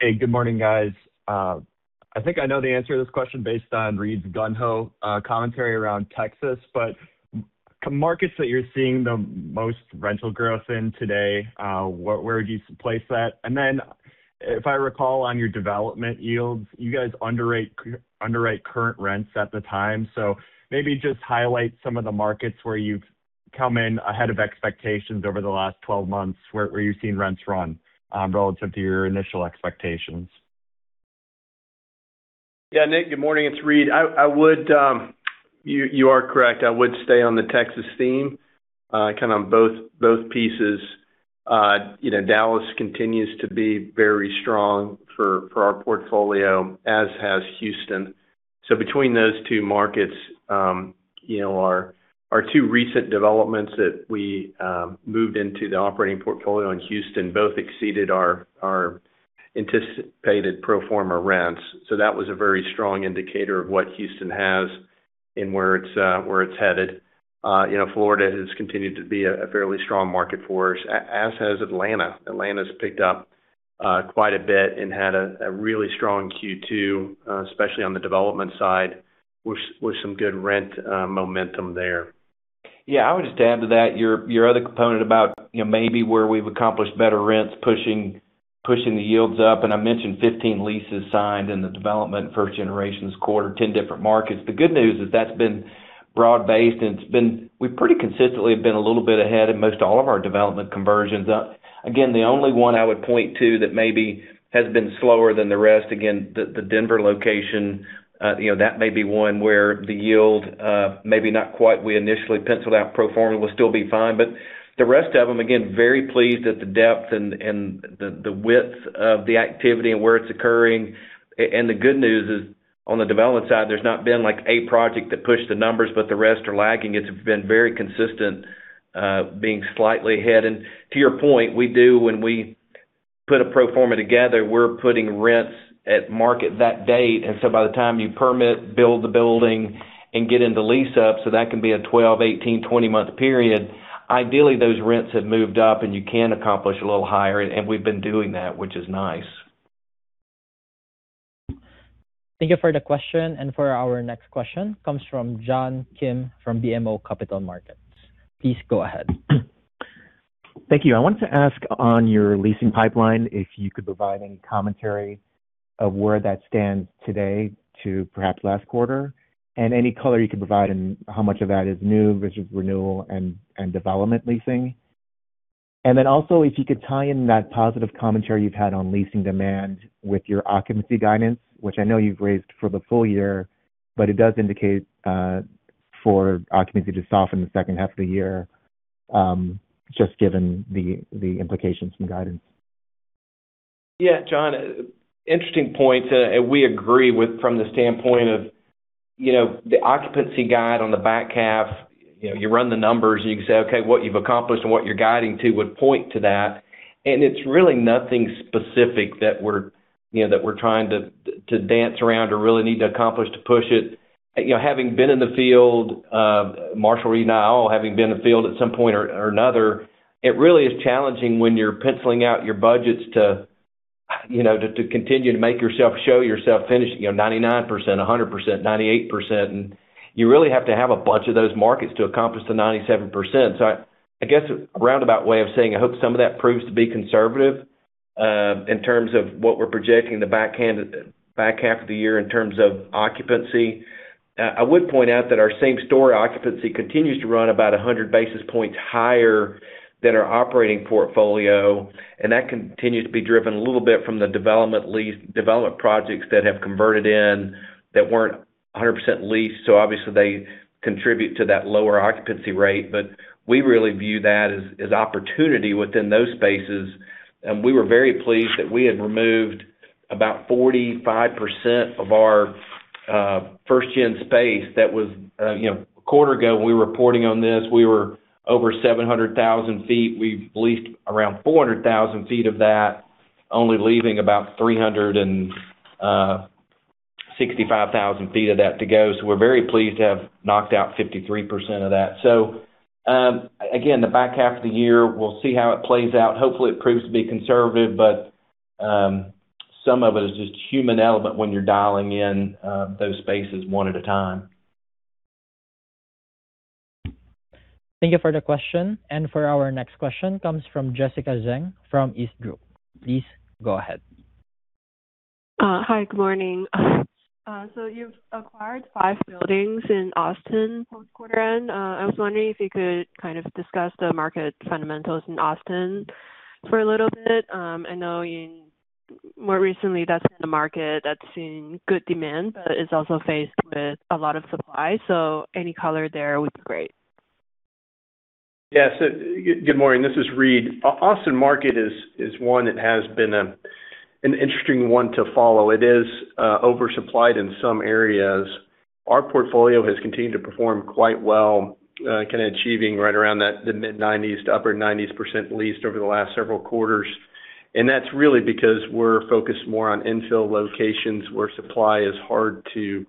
Hey, good morning, guys. I think I know the answer to this question based on Reid's gung-ho commentary around Texas, but markets that you're seeing the most rental growth in today, where would you place that? If I recall on your development yields, you guys underwrite current rents at the time. Maybe just highlight some of the markets where you've come in ahead of expectations over the last 12 months, where you've seen rents run relative to your initial expectations. Yeah, Nick, good morning. It's Reid. You are correct. I would stay on the Texas theme kind of both pieces. Dallas continues to be very strong for our portfolio, as has Houston. Between those two markets, our two recent developments that we moved into the operating portfolio in Houston both exceeded our anticipated pro forma rents. That was a very strong indicator of what Houston has and where it's headed. Florida has continued to be a fairly strong market for us, as has Atlanta. Atlanta's picked up quite a bit and had a really strong Q2, especially on the development side, with some good rent momentum there. Yeah, I would just add to that. Your other component about maybe where we've accomplished better rents pushing I mentioned 15 leases signed in the development first generation this quarter, 10 different markets. The good news is that's been broad-based. We pretty consistently have been a little bit ahead in most all of our development conversions. Again, the only one I would point to that maybe has been slower than the rest, again, the Denver location. That may be one where the yield maybe not quite we initially penciled out pro forma will still be fine. The rest of them, again, very pleased at the depth and the width of the activity and where it's occurring. The good news is, on the development side, there's not been a project that pushed the numbers, but the rest are lagging. It's been very consistent, being slightly ahead. To your point, we do when we put a pro forma together, we're putting rents at market that date. By the time you permit, build the building, and get into lease up, so that can be a 12, 18, 20-month period. Ideally, those rents have moved up. You can accomplish a little higher, and we've been doing that, which is nice. Thank you for the question. For our next question, comes from John Kim from BMO Capital Markets. Please go ahead. Thank you. I wanted to ask on your leasing pipeline if you could provide any commentary of where that stands today to perhaps last quarter, and any color you could provide on how much of that is new versus renewal and development leasing. If you could tie in that positive commentary you've had on leasing demand with your occupancy guidance, which I know you've raised for the full year, but it does indicate for occupancy to soften the second half of the year, just given the implications and guidance. Yeah. John, interesting point. We agree from the standpoint of the occupancy guide on the back half. You run the numbers and you can say, okay, what you've accomplished and what you're guiding to would point to that. It's really nothing specific that we're trying to dance around or really need to accomplish to push it. Having been in the field, Marshall, Reid, and I all having been in the field at some point or another, it really is challenging when you're penciling out your budgets to continue to make yourself, show yourself, finish 99%, 100%, 98%. You really have to have a bunch of those markets to accomplish the 97%. I guess a roundabout way of saying I hope some of that proves to be conservative, in terms of what we're projecting the back half of the year in terms of occupancy. I would point out that our same store occupancy continues to run about 100 basis points higher than our operating portfolio, that continues to be driven a little bit from the development projects that have converted in that weren't 100% leased. Obviously, they contribute to that lower occupancy rate. We really view that as opportunity within those spaces. We were very pleased that we had removed about 45% of our first gen space that was A quarter ago, when we were reporting on this, we were over 700,000 ft. We've leased around 400,000 ft of that, only leaving about 365,000 ft of that to go. We're very pleased to have knocked out 53% of that. Again, the back half of the year, we'll see how it plays out. Hopefully, it proves to be conservative, but some of it is just human element when you're dialing in those spaces one at a time. Thank you for the question. For our next question, comes from Jessica Zheng from Green Street. Please go ahead. Hi, good morning. You've acquired five buildings in Austin post-quarter end. I was wondering if you could kind of discuss the market fundamentals in Austin for a little bit. I know more recently that's been the market that's seen good demand, it's also faced with a lot of supply. Any color there would be great. Yeah. Good morning. This is Reid. Austin market is one that has been an interesting one to follow. It is oversupplied in some areas. Our portfolio has continued to perform quite well, kind of achieving right around the mid-90s to upper 90s% leased over the last several quarters. That's really because we're focused more on infill locations where supply is hard to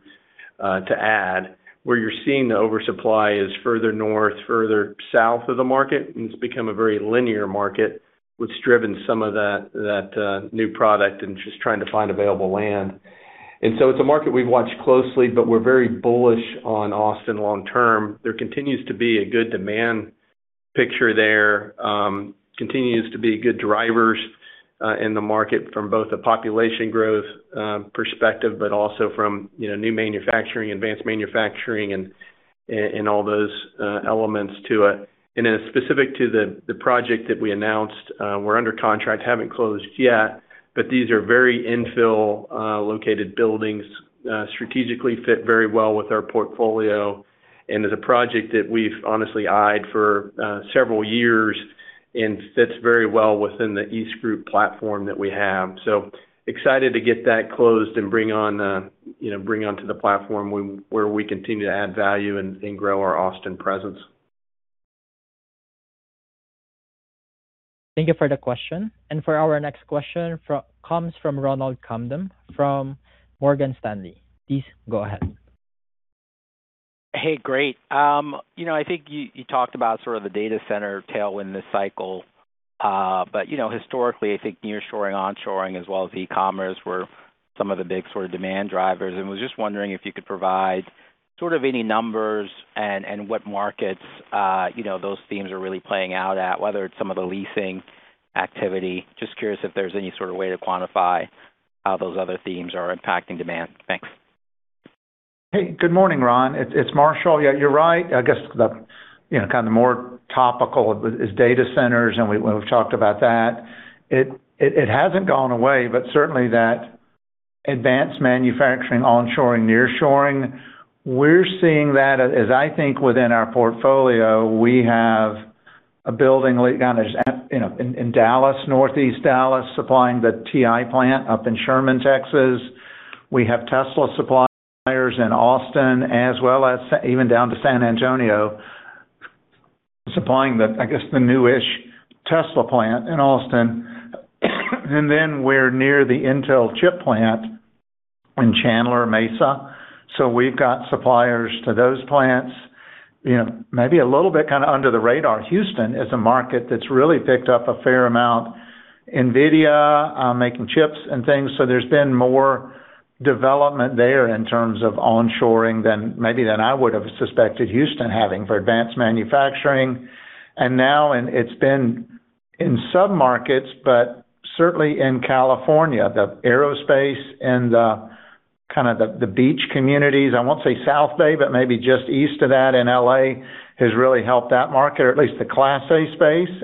add. Where you're seeing the oversupply is further north, further south of the market, it's become a very linear market, which has driven some of that new product and just trying to find available land. It's a market we watch closely, we're very bullish on Austin long term. There continues to be a good demand picture there. Continues to be good drivers in the market from both a population growth perspective, also from new manufacturing, advanced manufacturing, and all those elements to it. Then specific to the project that we announced, we're under contract, haven't closed yet, these are very infill-located buildings, strategically fit very well with our portfolio, is a project that we've honestly eyed for several years and fits very well within the EastGroup platform that we have. Excited to get that closed and bring onto the platform where we continue to add value and grow our Austin presence. Thank you for the question. For our next question, comes from Ronald Kamdem from Morgan Stanley. Please go ahead. Hey, great. I think you talked about sort of the data center tailwind this cycle. Historically, I think nearshoring, onshoring, as well as e-commerce were some of the big sort of demand drivers, and was just wondering if you could provide sort of any numbers and what markets those themes are really playing out at, whether it's some of the leasing activity. Just curious if there's any sort of way to quantify how those other themes are impacting demand. Thanks. Hey, good morning, Ron. It's Marshall. Yeah, you're right. I guess the kind of more topical is data centers, and we've talked about that. It hasn't gone away, but certainly that advanced manufacturing onshoring, nearshoring, we're seeing that, as I think within our portfolio, we have a building down in Northeast Dallas supplying the TI plant up in Sherman, Texas. We have Tesla suppliers in Austin, as well as even down to San Antonio, supplying, I guess, the newish Tesla plant in Austin. Then we're near the Intel chip plant in Chandler, Mesa. We've got suppliers to those plants. Maybe a little bit kind of under the radar, Houston is a market that's really picked up a fair amount. Nvidia making chips and things. There's been more development there in terms of onshoring maybe than I would've suspected Houston having for advanced manufacturing. Now, and it's been in submarkets, but certainly in California, the aerospace and the beach communities, I won't say South Bay, but maybe just east of that in L.A., has really helped that market, or at least the Class A space.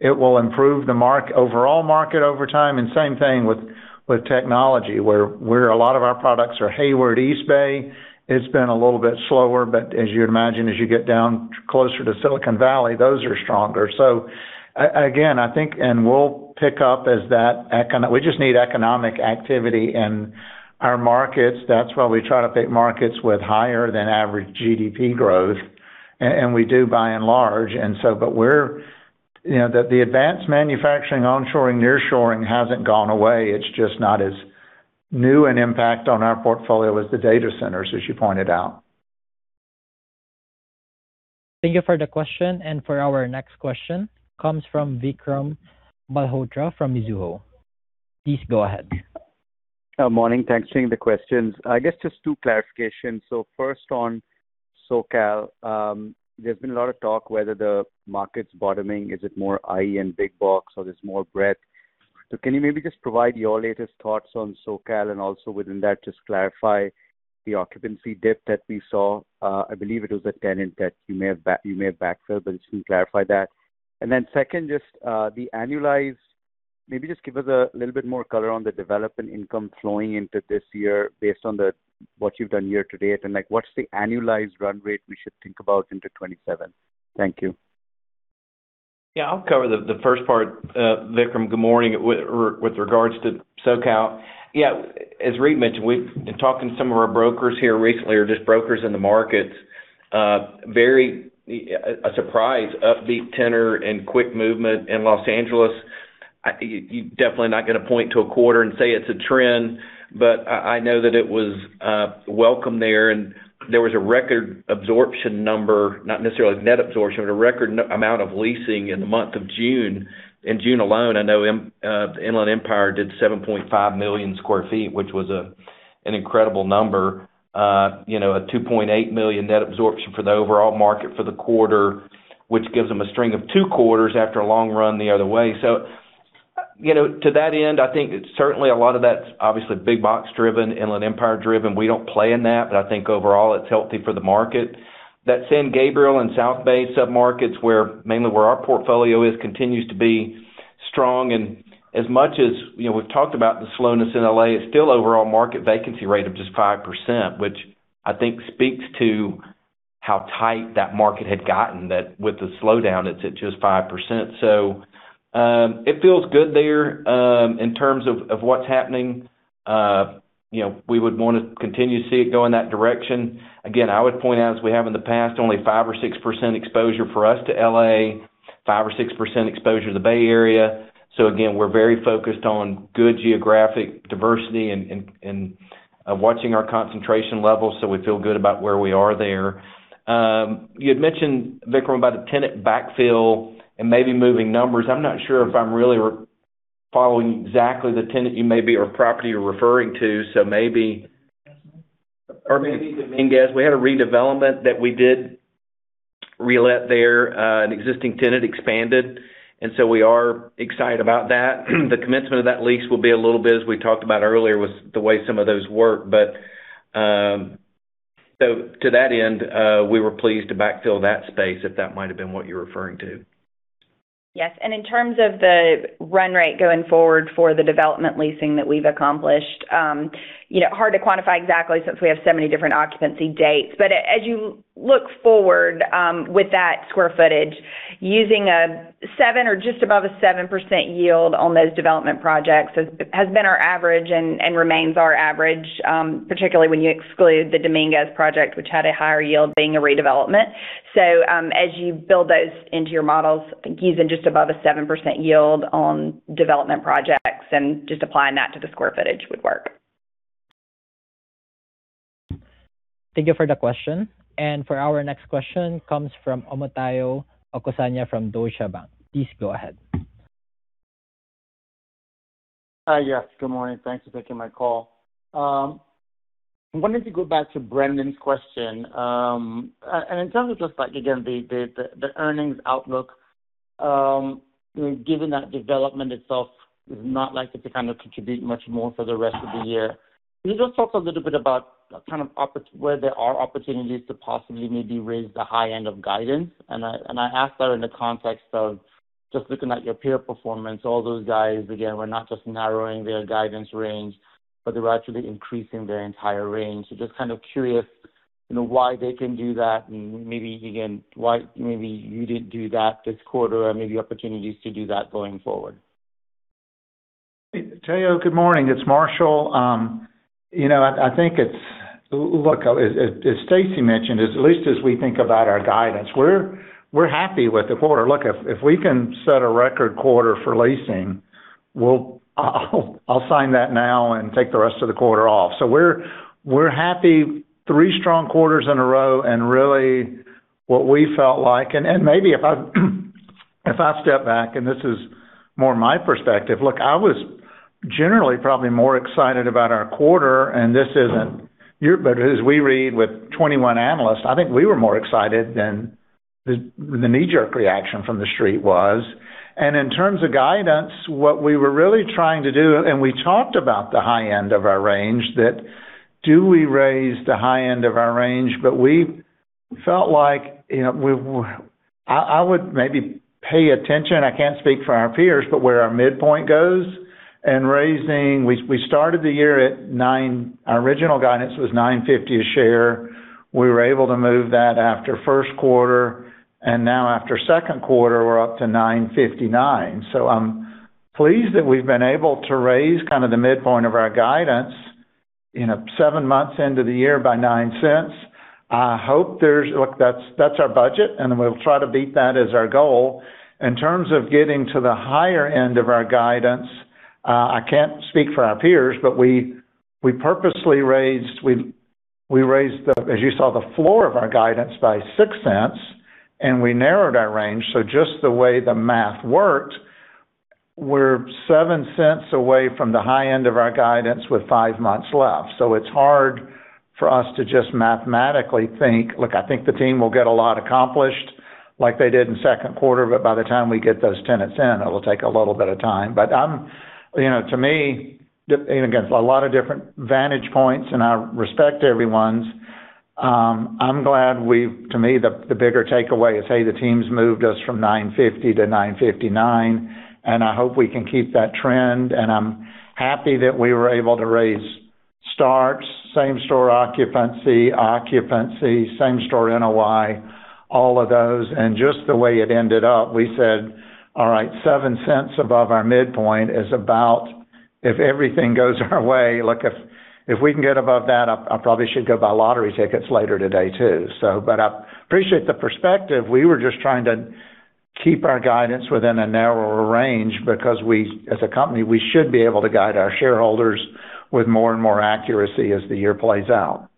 It will improve the overall market over time. Same thing with technology, where a lot of our products are Hayward, East Bay, it's been a little bit slower, but as you would imagine, as you get down closer to Silicon Valley, those are stronger. Again, I think, We just need economic activity in our markets. That's why we try to pick markets with higher than average GDP growth. We do by and large. The advanced manufacturing onshoring, nearshoring hasn't gone away. It's just not as new an impact on our portfolio as the data centers, as you pointed out. Thank you for the question. For our next question, comes from Vikram Malhotra from Mizuho. Please go ahead. Morning. Thanks for taking the questions. I guess just two clarifications. First on SoCal. There's been a lot of talk whether the market's bottoming. Is it more IE and big box, or there's more breadth? Can you maybe just provide your latest thoughts on SoCal, and also within that, just clarify the occupancy dip that we saw? I believe it was a tenant that you may have backfilled, but just to clarify that. Then second, maybe just give us a little bit more color on the development income flowing into this year based on what you've done year to date, and what's the annualized run rate we should think about into 2027? Thank you. Yeah. I'll cover the first part, Vikram. Good morning. With regards to SoCal. Yeah. As Reid mentioned, we've been talking to some of our brokers here recently, or just brokers in the markets. A surprise, upbeat tenor and quick movement in Los Angeles. You're definitely not going to point to a quarter and say it's a trend, but I know that it was welcome there, and there was a record absorption number, not necessarily net absorption, but a record amount of leasing in the month of June. In June alone, I know Inland Empire did 7.5 million sq ft, which was an incredible number. A 2.8 million net absorption for the overall market for the quarter, which gives them a string of two quarters after a long run the other way. To that end, I think certainly a lot of that's obviously big box driven, Inland Empire driven. We don't play in that, but I think overall, it's healthy for the market. That San Gabriel and South Bay submarkets, mainly where our portfolio is, continues to be strong. As much as we've talked about the slowness in L.A., it's still overall market vacancy rate of just 5%, which I think speaks to how tight that market had gotten, that with the slowdown, it's at just 5%. It feels good there, in terms of what's happening. We would want to continue to see it go in that direction. Again, I would point out, as we have in the past, only 5% or 6% exposure for us to L.A., 5% or 6% exposure to the Bay Area. Again, we're very focused on good geographic diversity and watching our concentration levels, so we feel good about where we are there. You had mentioned, Vikram, about a tenant backfill and maybe moving numbers. I'm not sure if I'm really following exactly the tenant or property you're referring to. Or maybe Dominguez. We had a redevelopment that we did relet there. An existing tenant expanded, and so we are excited about that. The commencement of that lease will be a little bit, as we talked about earlier, with the way some of those work. To that end, we were pleased to backfill that space, if that might have been what you're referring to. Yes. In terms of the run rate going forward for the development leasing that we've accomplished. Hard to quantify exactly since we have so many different occupancy dates. As you look forward with that square footage, using a 7% or just above a 7% yield on those development projects has been our average and remains our average, particularly when you exclude the Dominguez project, which had a higher yield being a redevelopment. As you build those into your models, I think using just above a 7% yield on development projects and just applying that to the square footage would work. Thank you for the question. For our next question, comes from Omotayo Okusanya from Deutsche Bank. Please go ahead. Hi. Yes, good morning. Thanks for taking my call. I'm wanting to go back to Brendan's question. In terms of just, again, the earnings outlook, given that development itself is not likely to kind of contribute much more for the rest of the year. Can you just talk a little bit about where there are opportunities to possibly maybe raise the high end of guidance? I ask that in the context of just looking at your peer performance. All those guys, again, were not just narrowing their guidance range, but they were actually increasing their entire range. Just kind of curious, why they can do that, and maybe, again, why maybe you didn't do that this quarter and maybe opportunities to do that going forward. Theo, good morning. It's Marshall. Look, as Staci mentioned, at least as we think about our guidance, we're happy with the quarter. Look, if we can set a record quarter for leasing, I'll sign that now and take the rest of the quarter off. We're happy, three strong quarters in a row, really what we felt like. Maybe if I step back, and this is more my perspective. Look, I was generally probably more excited about our quarter, but as we read with 21 analysts, I think we were more excited than the knee-jerk reaction from the street was. In terms of guidance, what we were really trying to do, and we talked about the high end of our range that do we raise the high end of our range? We felt like I would maybe pay attention, I can't speak for our peers, but where our midpoint goes and raising We started the year at nine. Our original guidance was $9.50 a share. We were able to move that after first quarter, and now after second quarter, we're up to $9.59. I'm pleased that we've been able to raise kind of the midpoint of our guidance seven months into the year by $0.09. Look, that's our budget, and we'll try to beat that as our goal. In terms of getting to the higher end of our guidance, I can't speak for our peers, but we purposely raised, as you saw, the floor of our guidance by $0.06, and we narrowed our range. Just the way the math worked, we're $0.07 away from the high end of our guidance with five months left. It's hard for us to just mathematically think Look, I think the team will get a lot accomplished like they did in the second quarter, but by the time we get those tenants in, it'll take a little bit of time. To me, again, a lot of different vantage points, and I respect everyone's. To me, the bigger takeaway is, hey, the team's moved us from $9.50 to $9.59, and I hope we can keep that trend. I'm happy that we were able to raise starts, same-store occupancy, same-store NOI, all of those. Just the way it ended up, we said, all right, $0.07 above our midpoint is about if everything goes our way. Look, if we can get above that, I probably should go buy lottery tickets later today, too. I appreciate the perspective. We were just trying to keep our guidance within a narrower range because as a company, we should be able to guide our shareholders with more and more accuracy as the year plays out.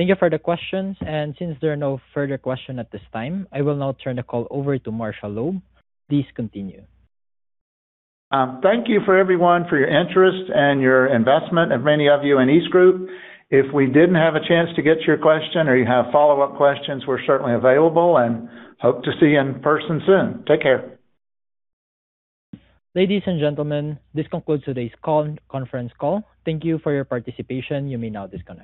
Thank you for the questions. Since there are no further questions at this time, I will now turn the call over to Marshall Loeb. Please continue. Thank you, everyone, for your interest and your investment, and many of you in EastGroup. If we didn't have a chance to get to your question or you have follow-up questions, we're certainly available and hope to see you in person soon. Take care. Ladies and gentlemen, this concludes today's conference call. Thank you for your participation. You may now disconnect.